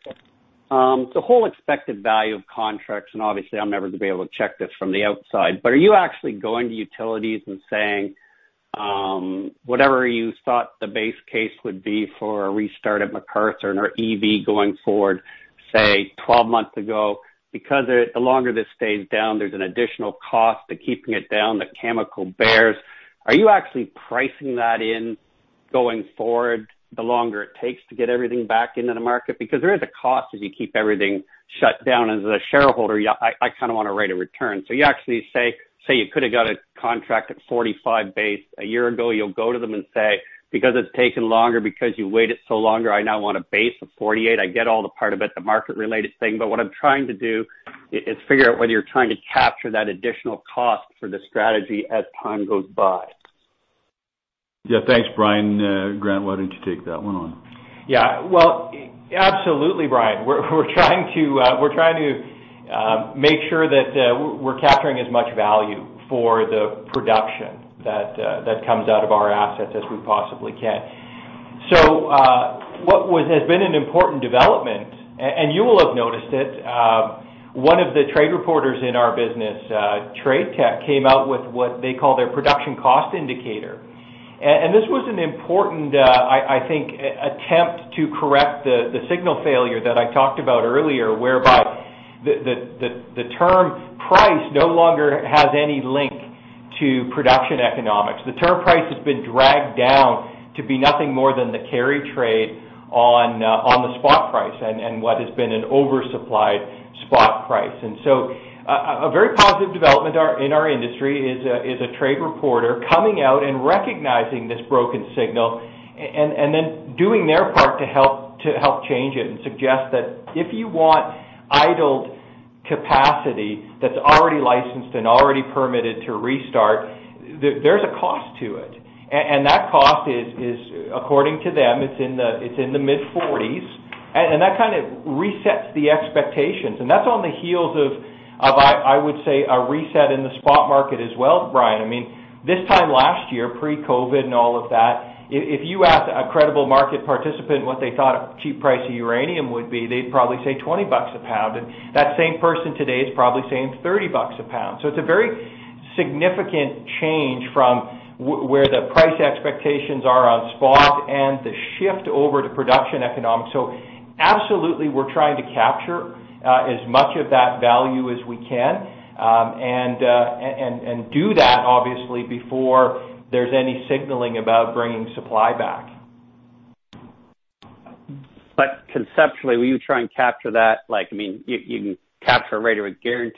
whole expected value of contracts, and obviously I'm never going to be able to check this from the outside, but are you actually going to utilities and saying, whatever you thought the base case would be for a restart at McArthur and our EV going forward, say, 12 months ago, because the longer this stays down, there's an additional cost to keeping it down, that Cameco bears. Are you actually pricing that in going forward, the longer it takes to get everything back into the market? There is a cost as you keep everything shut down. As a shareholder, I kind of want a rate of return. You actually say you could have got a contract at 45 base a year ago. You'll go to them and say, because it's taken longer, because you waited so long, I now want a base of 48. I get all the part about the market-related thing, but what I'm trying to do is figure out whether you're trying to capture that additional cost for the strategy as time goes by. Yeah, thanks, Brian. Grant, why don't you take that one on? Yeah. Well, absolutely, Brian. We're trying to make sure that we're capturing as much value for the production that comes out of our assets as we possibly can. What has been an important development, and you will have noticed it, one of the trade reporters in our business, TradeTech, came out with what they call their Production Cost Indicator. This was an important, I think, attempt to correct the signal failure that I talked about earlier, whereby the term price no longer has any link to production economics. The term price has been dragged down to be nothing more than the carry trade on the spot price and what has been an oversupplied spot price. A very positive development in our industry is a trade reporter coming out and recognizing this broken signal and then doing their part to help change it and suggest that if you want idled capacity that's already licensed and already permitted to restart, there's a cost to it. That cost is, according to them, it's in the mid-40s, and that kind of resets the expectations. That's on the heels of, I would say, a reset in the spot market as well, Brian. This time last year, pre-COVID and all of that, if you asked a credible market participant what they thought a cheap price of uranium would be, they'd probably say 20 bucks a pound. That same person today is probably saying 30 bucks a pound. It's a very significant change from where the price expectations are on spot and the shift over to production economics. Absolutely, we're trying to capture as much of that value as we can, and do that, obviously, before there's any signaling about bringing supply back. Conceptually, will you try and capture that? You can capture a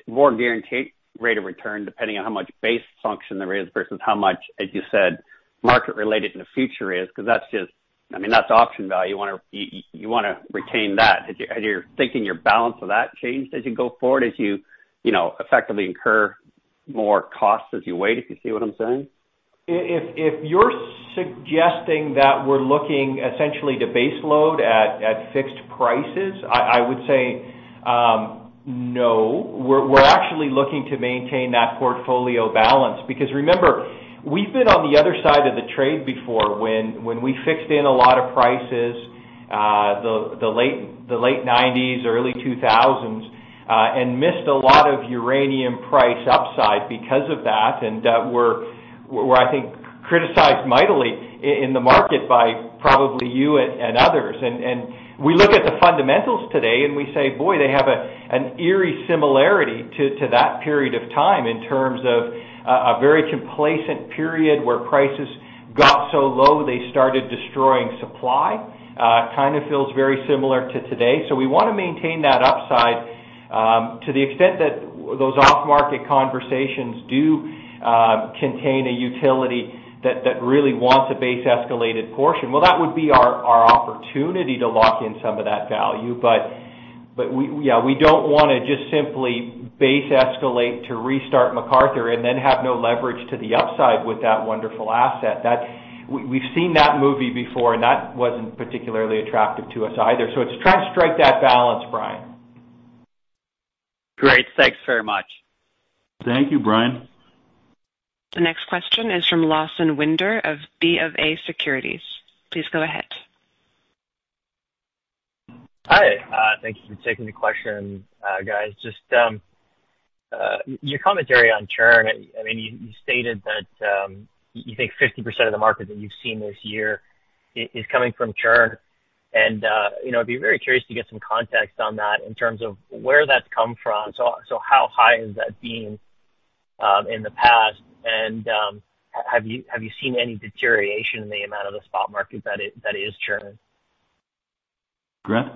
more guaranteed rate of return depending on how much base function there is versus how much, as you said, market-related in the future is, because that's option value. You want to retain that. Are you thinking your balance of that changed as you go forward, as you effectively More cost as you wait, if you see what I'm saying? If you're suggesting that we're looking essentially to base load at fixed prices, I would say no. We're actually looking to maintain that portfolio balance. Because remember, we've been on the other side of the trade before when we fixed in a lot of prices, the late '90s, early 2000s, and missed a lot of uranium price upside because of that, and were, I think, criticized mightily in the market by probably you and others. We look at the fundamentals today and we say, "Boy, they have an eerie similarity to that period of time in terms of a very complacent period where prices got so low they started destroying supply." Kind of feels very similar to today. We want to maintain that upside, to the extent that those off-market conversations do contain a utility that really wants a base-escalated portion. Well, that would be our opportunity to lock in some of that value. We don't want to just simply base-escalate to restart McArthur and then have no leverage to the upside with that wonderful asset. We've seen that movie before, that wasn't particularly attractive to us either. It's trying to strike that balance, Brian. Great. Thanks very much. Thank you, Brian. The next question is from Lawson Winder of BofA Securities. Please go ahead. Hi. Thank you for taking the question, guys. Just your commentary on churn. You stated that you think 50% of the market that you've seen this year is coming from churn, and I'd be very curious to get some context on that in terms of where that's come from. How high has that been in the past, and have you seen any deterioration in the amount of the spot market that is churning? Grant?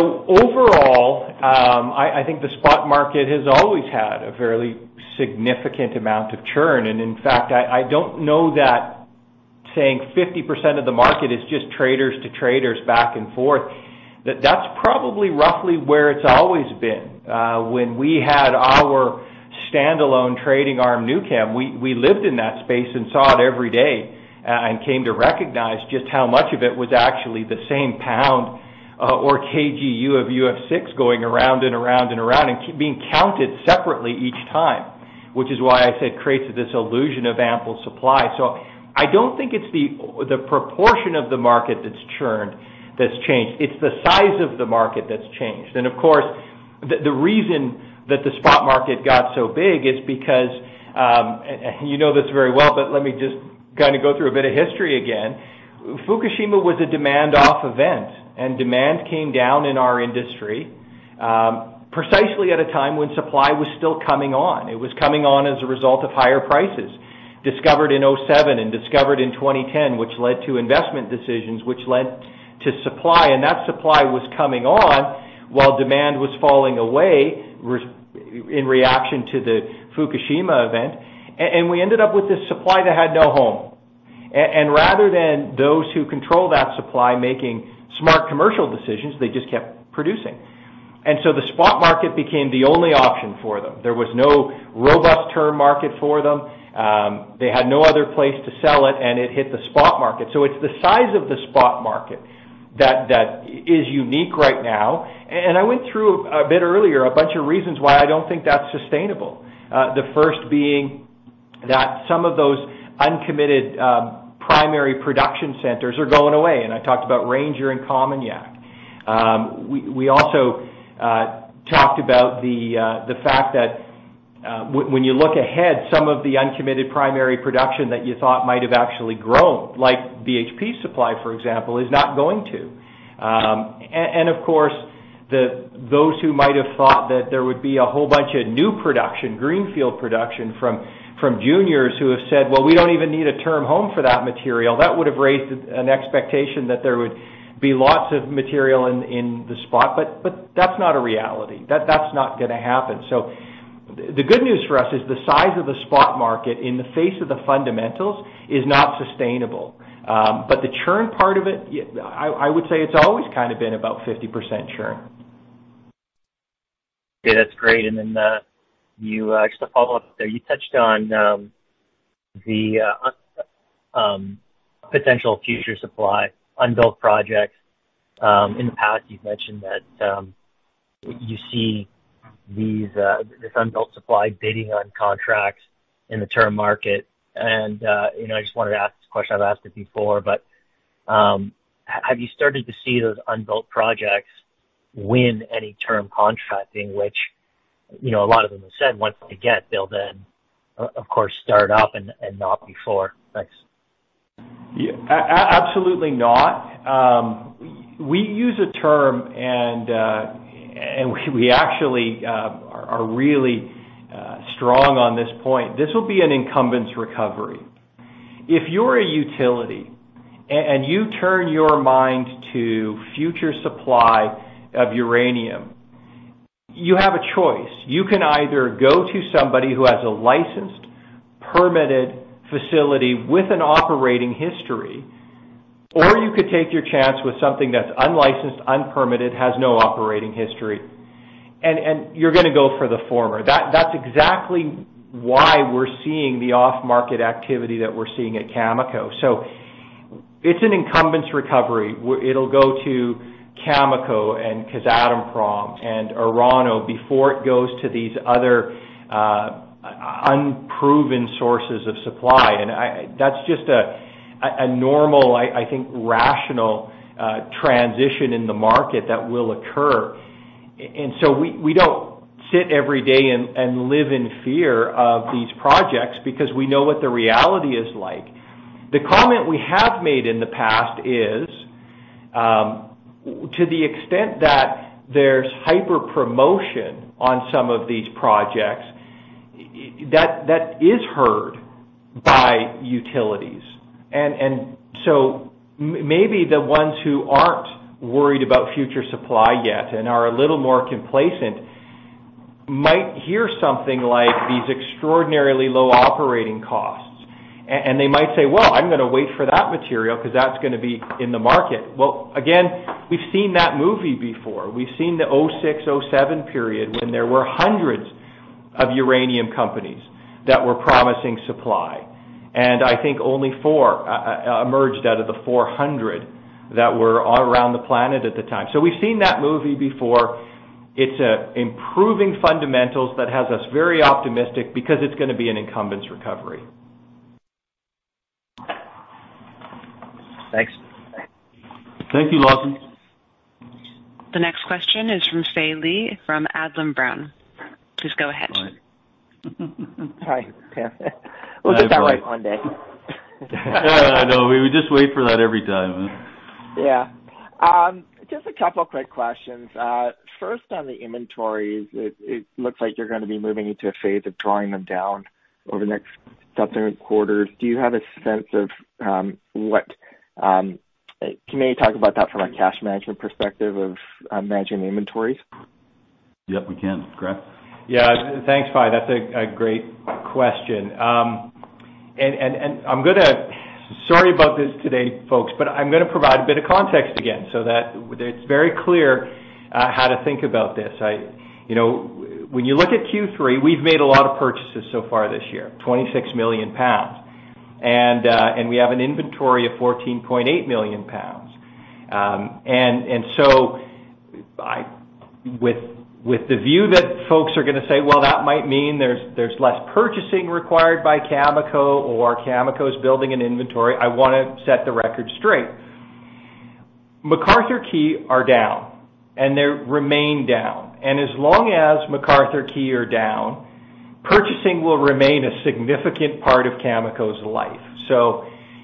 Overall, I think the spot market has always had a fairly significant amount of churn. In fact, I don't know that saying 50% of the market is just traders to traders back and forth. That's probably roughly where it's always been. When we had our standalone trading arm, NUKEM, we lived in that space and saw it every day, and came to recognize just how much of it was actually the same pound or kgU of UF6 going around and around and around, and being counted separately each time, which is why I said creates this illusion of ample supply. I don't think it's the proportion of the market that's churned that's changed. It's the size of the market that's changed. Of course, the reason that the spot market got so big is because, you know this very well, but let me just go through a bit of history again. Fukushima was a demand-off event, and demand came down in our industry precisely at a time when supply was still coming on. It was coming on as a result of higher prices discovered in 2007 and discovered in 2010, which led to investment decisions, which led to supply, and that supply was coming on while demand was falling away in reaction to the Fukushima event. We ended up with this supply that had no home. Rather than those who control that supply making smart commercial decisions, they just kept producing. The spot market became the only option for them. There was no robust term market for them. They had no other place to sell it, and it hit the spot market. It's the size of the spot market that is unique right now. I went through a bit earlier, a bunch of reasons why I don't think that's sustainable. The first being that some of those uncommitted primary production centers are going away, and I talked about Ranger and COMINAK. We also talked about the fact that when you look ahead, some of the uncommitted primary production that you thought might have actually grown, like BHP supply, for example, is not going to. Of course, those who might have thought that there would be a whole bunch of new production, greenfield production from juniors who have said, "Well, we don't even need a term home for that material," that would have raised an expectation that there would be lots of material in the spot. That's not a reality. That's not going to happen. The good news for us is the size of the spot market in the face of the fundamentals is not sustainable. The churn part of it, I would say it's always been about 50% churn. Okay. That's great. Then just a follow-up there. You touched on the potential future supply, unbuilt projects. In the past you've mentioned that you see this unbuilt supply bidding on contracts in the term market, and I just wanted to ask this question. I've asked it before, but have you started to see those unbuilt projects win any term contracting? Which a lot of them have said once they get, they'll then of course start up and not before. Thanks. Absolutely not. We use a term, and we actually are really strong on this point. This will be an incumbents recovery. If you're a utility and you turn your mind to future supply of uranium, you have a choice. You can either go to somebody who has a licensed, permitted facility with an operating history. Or you could take your chance with something that's unlicensed, unpermitted, has no operating history, and you're going to go for the former. That's exactly why we're seeing the off-market activity that we're seeing at Cameco. It's an incumbents recovery. It'll go to Cameco and Kazatomprom and Orano before it goes to these other unproven sources of supply. That's just a normal, I think, rational transition in the market that will occur. We don't sit every day and live in fear of these projects because we know what the reality is like. The comment we have made in the past is, to the extent that there's hyper promotion on some of these projects, that is heard by utilities. Maybe the ones who aren't worried about future supply yet and are a little more complacent might hear something like these extraordinarily low operating costs. They might say, "Well, I'm going to wait for that material because that's going to be in the market." Well, again, we've seen that movie before. We've seen the 2006, 2007 period when there were hundreds of uranium companies that were promising supply. I think only four emerged out of the 400 that were around the planet at the time. We've seen that movie before. It's improving fundamentals that has us very optimistic because it's going to be an incumbents recovery. Thanks. Thank you, Lawson. The next question is from Fei Li from Adlam Brown. Please go ahead. Hi. Hi. We'll get that right one day. No, we just wait for that every time, huh? Yeah. Just a couple of quick questions. First, on the inventories, it looks like you're going to be moving into a phase of drawing them down over the next subsequent quarters. Can you talk about that from a cash management perspective of managing inventories? Yep, we can. Greg? Thanks, Fei. That's a great question. Sorry about this today, folks, I am going to provide a bit of context again so that it's very clear how to think about this. When you look at Q3, we have made a lot of purchases so far this year, 26 million pounds. We have an inventory of 14.8 million pounds. With the view that folks are going to say, "Well, that might mean there is less purchasing required by Cameco or Cameco is building an inventory," I want to set the record straight. McArthur River are down, and they remain down. As long as McArthur River are down, purchasing will remain a significant part of Cameco's life.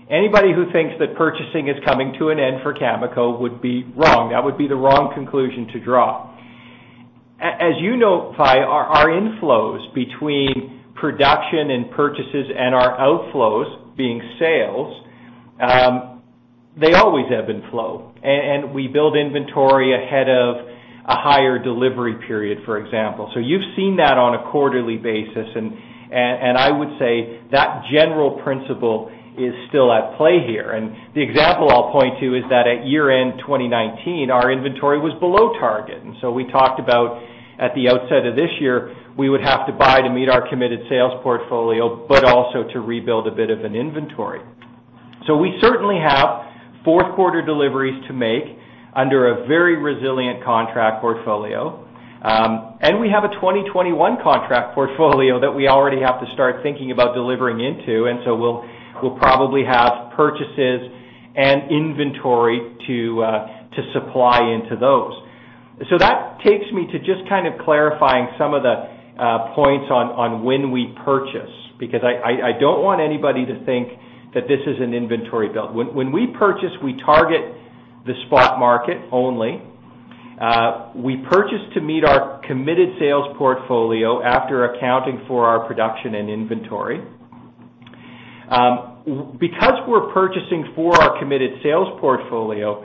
Anybody who thinks that purchasing is coming to an end for Cameco would be wrong. That would be the wrong conclusion to draw. As you know, Fei, our inflows between production and purchases and our outflows being sales, they always ebb and flow. We build inventory ahead of a higher delivery period, for example. You've seen that on a quarterly basis, and I would say that general principle is still at play here. The example I'll point to is that at year-end 2019, our inventory was below target. We talked about at the outset of this year, we would have to buy to meet our committed sales portfolio, but also to rebuild a bit of an inventory. We certainly have fourth quarter deliveries to make under a very resilient contract portfolio. We have a 2021 contract portfolio that we already have to start thinking about delivering into, and so we'll probably have purchases and inventory to supply into those. That takes me to just kind of clarifying some of the points on when we purchase, because I don't want anybody to think that this is an inventory build. When we purchase, we target the spot market only. We purchase to meet our committed sales portfolio after accounting for our production and inventory. Because we're purchasing for our committed sales portfolio,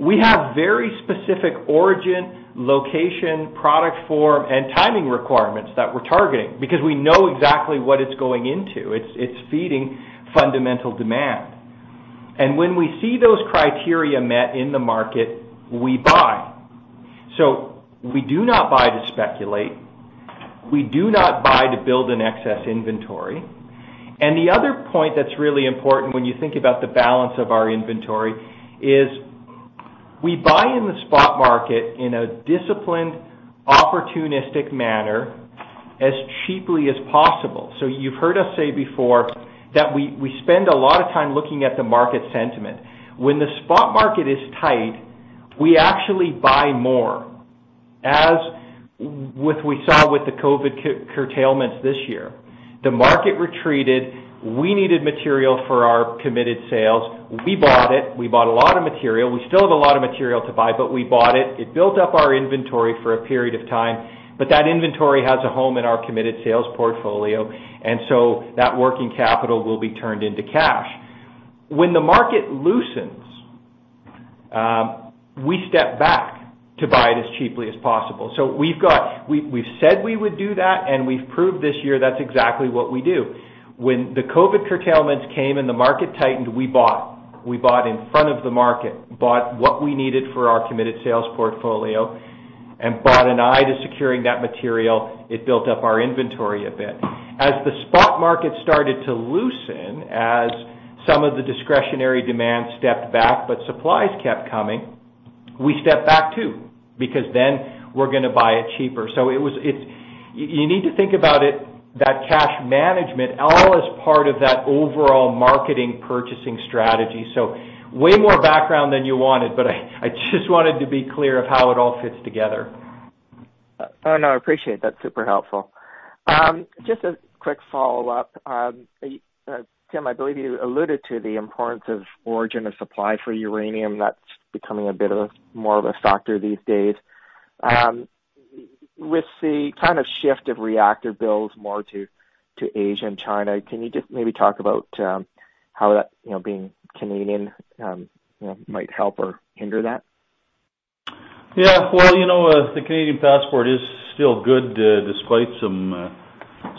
we have very specific origin, location, product form, and timing requirements that we're targeting because we know exactly what it's going into. It's feeding fundamental demand. When we see those criteria met in the market, we buy. We do not buy to speculate. We do not buy to build an excess inventory. The other point that's really important when you think about the balance of our inventory is we buy in the spot market in a disciplined, opportunistic manner as cheaply as possible. You've heard us say before that we spend a lot of time looking at the market sentiment. When the spot market is tight, we actually buy more, as what we saw with the COVID curtailments this year. The market retreated. We needed material for our committed sales. We bought it. We bought a lot of material. We still have a lot of material to buy, but we bought it. It built up our inventory for a period of time, but that inventory has a home in our committed sales portfolio, and so that working capital will be turned into cash. When the market loosens, we step back to buy it as cheaply as possible. We've said we would do that, and we've proved this year that's exactly what we do. When the COVID curtailments came and the market tightened, we bought. We bought in front of the market, bought what we needed for our committed sales portfolio, and bought an eye to securing that material. It built up our inventory a bit. As the spot market started to loosen, as some of the discretionary demand stepped back but supplies kept coming, we stepped back too, because then we're going to buy it cheaper. You need to think about it, that cash management, all as part of that overall marketing purchasing strategy. Way more background than you wanted, but I just wanted to be clear of how it all fits together. Oh, no, I appreciate it. That's super helpful. Just a quick follow-up. Tim, I believe you alluded to the importance of origin of supply for uranium. That's becoming a bit of more of a factor these days. With the kind of shift of reactor builds more to Asia and China, can you just maybe talk about how that being Canadian might help or hinder that? The Canadian passport is still good despite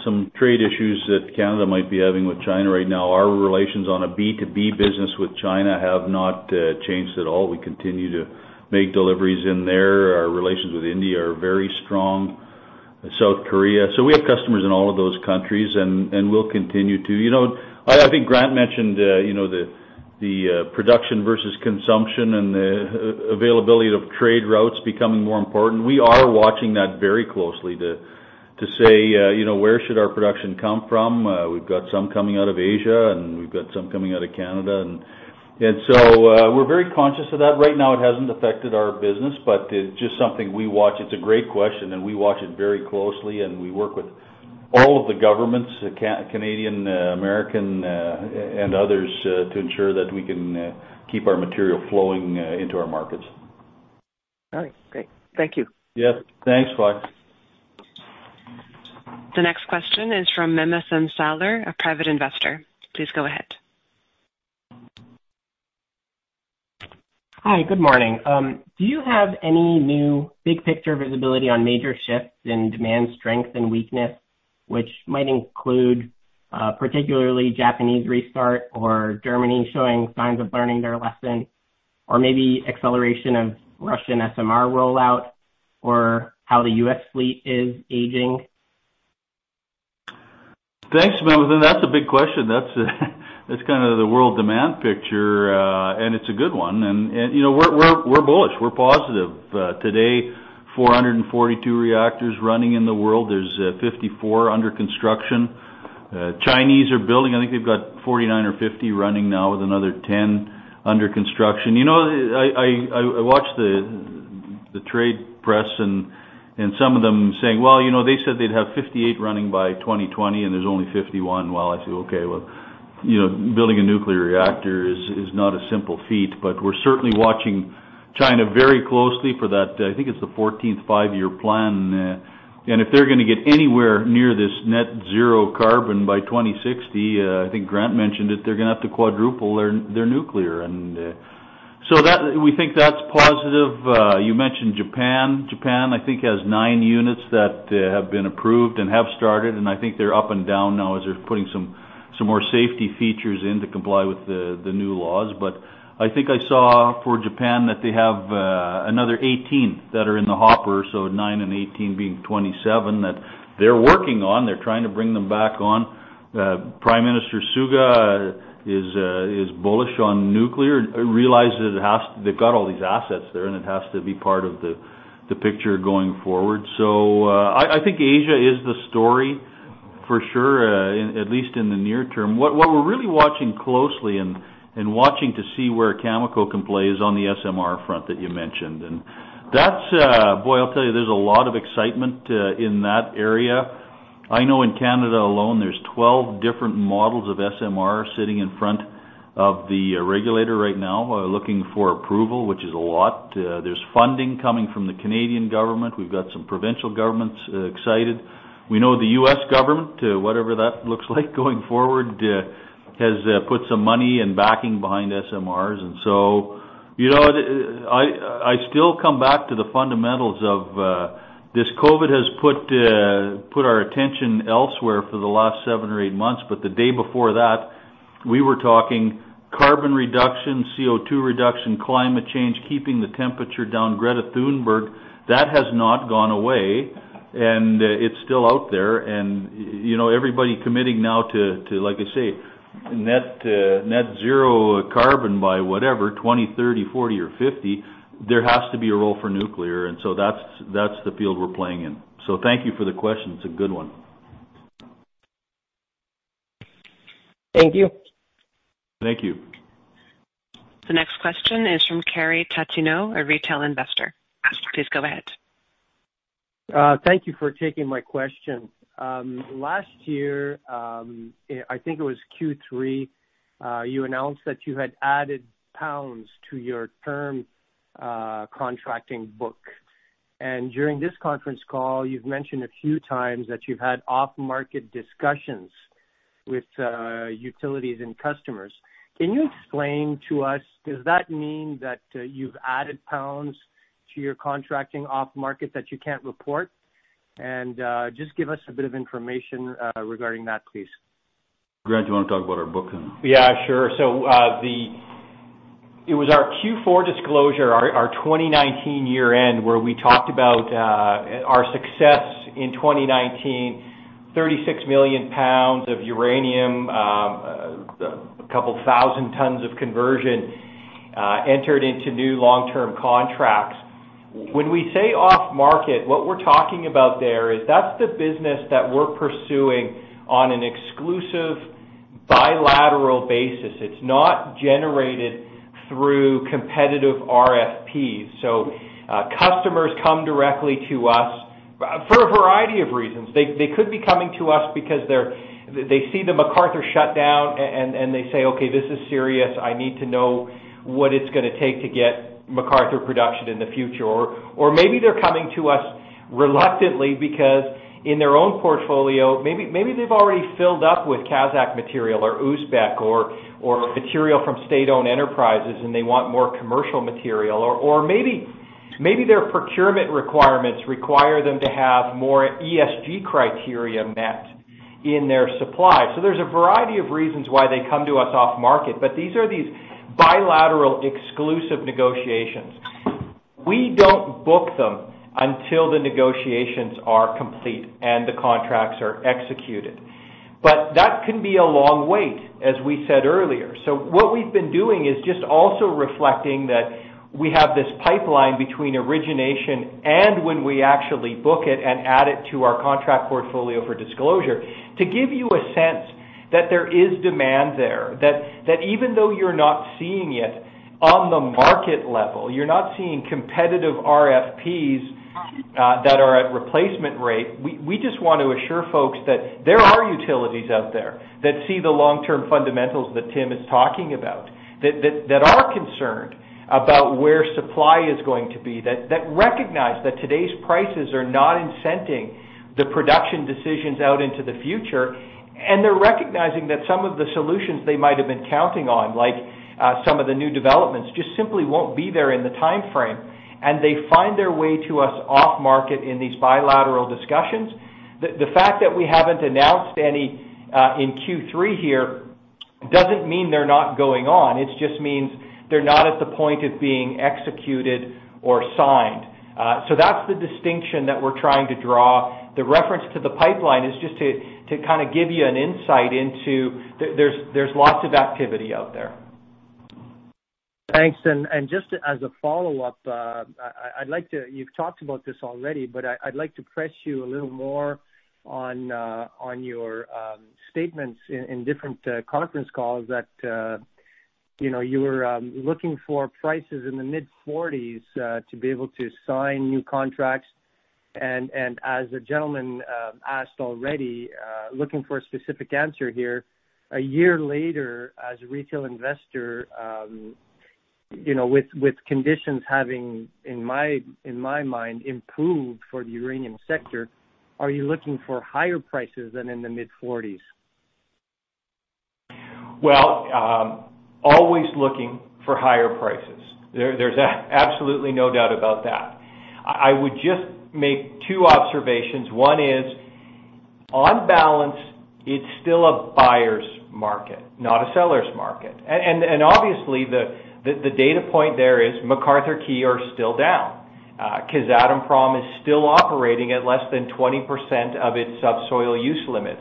some trade issues that Canada might be having with China right now. Our relations on a B2B business with China have not changed at all. We continue to make deliveries in there. Our relations with India are very strong, South Korea. We have customers in all of those countries, and we'll continue to. I think Grant mentioned the production versus consumption and the availability of trade routes becoming more important. We are watching that very closely to say where should our production come from. We've got some coming out of Asia, and we've got some coming out of Canada. We're very conscious of that. Right now, it hasn't affected our business, but it's just something we watch. It's a great question, and we watch it very closely, and we work with all of the governments, Canadian, American, and others, to ensure that we can keep our material flowing into our markets. All right, great. Thank you. Yep. Thanks, Clark. The next question is from Memison Sauler, a private investor. Please go ahead. Hi, good morning. Do you have any new big picture visibility on major shifts in demand strength and weakness, which might include particularly Japanese restart or Germany showing signs of learning their lesson, or maybe acceleration of Russian SMR rollout, or how the U.S. fleet is aging? Thanks, Memison. That's a big question. That's kind of the world demand picture. It's a good one, we're bullish, we're positive. Today, 442 reactors running in the world. There's 54 under construction. Chinese are building. I think they've got 49 or 50 running now with another 10 under construction. I watch the trade press and some of them saying, "Well, they said they'd have 58 running by 2020, and there's only 51." Well, I say, okay, well, building a nuclear reactor is not a simple feat, but we're certainly watching China very closely for that, I think it's the 14th five-year plan. If they're going to get anywhere near this net zero carbon by 2060, I think Grant mentioned it, they're going to have to quadruple their nuclear. We think that's positive. You mentioned Japan. Japan, I think, has nine units that have been approved and have started, and I think they're up and down now as they're putting some more safety features in to comply with the new laws. I think I saw for Japan that they have another 18 that are in the hopper. Nine and 18 being 27 that they're working on. They're trying to bring them back on. Prime Minister Suga is bullish on nuclear, realizes they've got all these assets there and it has to be part of the picture going forward. I think Asia is the story for sure, at least in the near term. What we're really watching closely and watching to see where Cameco can play is on the SMR front that you mentioned. That's, boy, I'll tell you, there's a lot of excitement in that area. I know in Canada alone, there's 12 different models of SMR sitting in front of the regulator right now looking for approval, which is a lot. There's funding coming from the Canadian government. We've got some provincial governments excited. We know the US government, whatever that looks like going forward, has put some money and backing behind SMRs. I still come back to the fundamentals of this COVID has put our attention elsewhere for the last seven or eight months, but the day before that, we were talking carbon reduction, CO2 reduction, climate change, keeping the temperature down, Greta Thunberg. That has not gone away, and it's still out there. Everybody committing now to, like I say, net zero carbon by whatever, 2020, 2030, 2040 or 2050, there has to be a role for nuclear. That's the field we're playing in. Thank you for the question. It's a good one. Thank you. Thank you. The next question is from Kerry Tatino, a retail investor. Please go ahead. Thank you for taking my question. Last year, I think it was Q3, you announced that you had added pounds to your term contracting book. During this conference call, you've mentioned a few times that you've had off-market discussions with utilities and customers. Can you explain to us, does that mean that you've added pounds to your contracting off-market that you can't report? Just give us a bit of information regarding that, please. Grant, do you want to talk about our booking? Yeah, sure. It was our Q4 disclosure, our 2019 year-end, where we talked about our success in 2019, 36 million pounds of uranium, a couple thousand tons of conversion entered into new long-term contracts. When we say off-market, what we're talking about there is that's the business that we're pursuing on an exclusive bilateral basis. It's not generated through competitive RFPs. Customers come directly to us for a variety of reasons. They could be coming to us because they see the McArthur shut down, and they say, "Okay, this is serious. I need to know what it's going to take to get McArthur production in the future." Or maybe they're coming to us reluctantly because in their own portfolio, maybe they've already filled up with Kazakh material or Uzbek or material from state-owned enterprises, and they want more commercial material, or maybe their procurement requirements require them to have more ESG criteria met in their supply. There's a variety of reasons why they come to us off-market, but these are bilateral exclusive negotiations. We don't book them until the negotiations are complete and the contracts are executed. That can be a long wait, as we said earlier. What we've been doing is just also reflecting that we have this pipeline between origination and when we actually book it and add it to our contract portfolio for disclosure, to give you a sense that there is demand there. Even though you're not seeing it on the market level, you're not seeing competitive RFPs that are at replacement rate, we just want to assure folks that there are utilities out there that see the long-term fundamentals that Tim is talking about, that are concerned about where supply is going to be, that recognize that today's prices are not incenting the production decisions out into the future. They're recognizing that some of the solutions they might have been counting on, like some of the new developments, just simply won't be there in the timeframe. They find their way to us off-market in these bilateral discussions. The fact that we haven't announced any in Q3 here doesn't mean they're not going on. It just means they're not at the point of being executed or signed. That's the distinction that we're trying to draw. The reference to the pipeline is just to kind of give you an insight into there's lots of activity out there. Thanks. Just as a follow-up, you've talked about this already, but I'd like to press you a little more on your statements in different conference calls that you were looking for prices in the mid-40s to be able to sign new contracts, as a gentleman asked already, looking for a specific answer here, a year later, as a retail investor with conditions having, in my mind, improved for the uranium sector, are you looking for higher prices than in the mid-40s? Always looking for higher prices. There's absolutely no doubt about that. I would just make two observations. One is, on balance, it's still a buyer's market, not a seller's market. Obviously, the data point there is McArthur Key are still down. Kazatomprom is still operating at less than 20% of its subsoil use limit.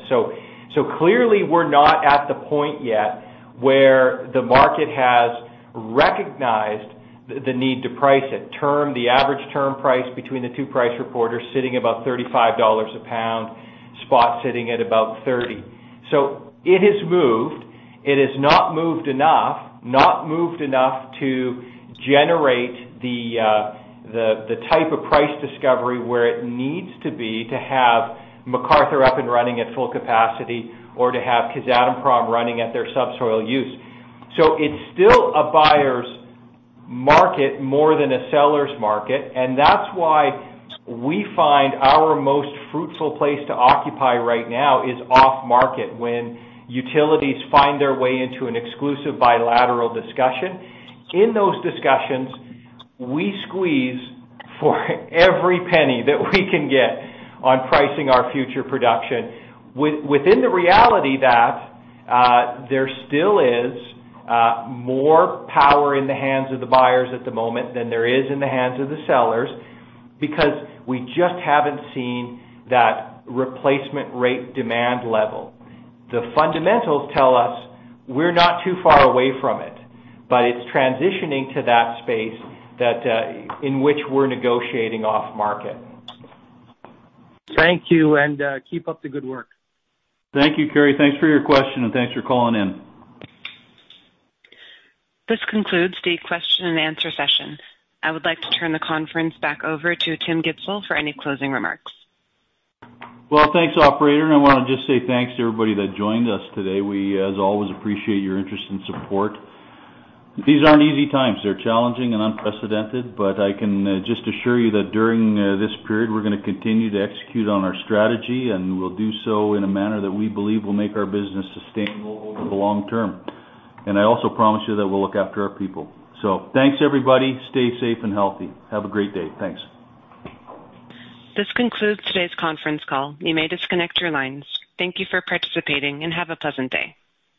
Clearly we're not at the point yet where the market has recognized the need to price it term, the average term price between the two price reporters sitting above 35 dollars a pound, spot sitting at about 30. It has moved. It has not moved enough to generate the type of price discovery where it needs to be to have McArthur up and running at full capacity or to have Kazatomprom running at their subsoil use. It's still a buyer's market more than a seller's market, and that's why we find our most fruitful place to occupy right now is off-market, when utilities find their way into an exclusive bilateral discussion. In those discussions, we squeeze for every penny that we can get on pricing our future production within the reality that there still is more power in the hands of the buyers at the moment than there is in the hands of the sellers, because we just haven't seen that replacement rate demand level. The fundamentals tell us we're not too far away from it, but it's transitioning to that space in which we're negotiating off-market. Thank you, and keep up the good work. Thank you, Kerry. Thanks for your question. Thanks for calling in. This concludes the question-and-answer session. I would like to turn the conference back over to Tim Gitzel for any closing remarks. Well, thanks, operator. I want to just say thanks to everybody that joined us today. We, as always, appreciate your interest and support. These aren't easy times. They're challenging and unprecedented. I can just assure you that during this period, we're going to continue to execute on our strategy, and we'll do so in a manner that we believe will make our business sustainable over the long term. I also promise you that we'll look after our people. Thanks, everybody. Stay safe and healthy. Have a great day. Thanks. This concludes today's conference call. You may disconnect your lines. Thank you for participating, and have a pleasant day.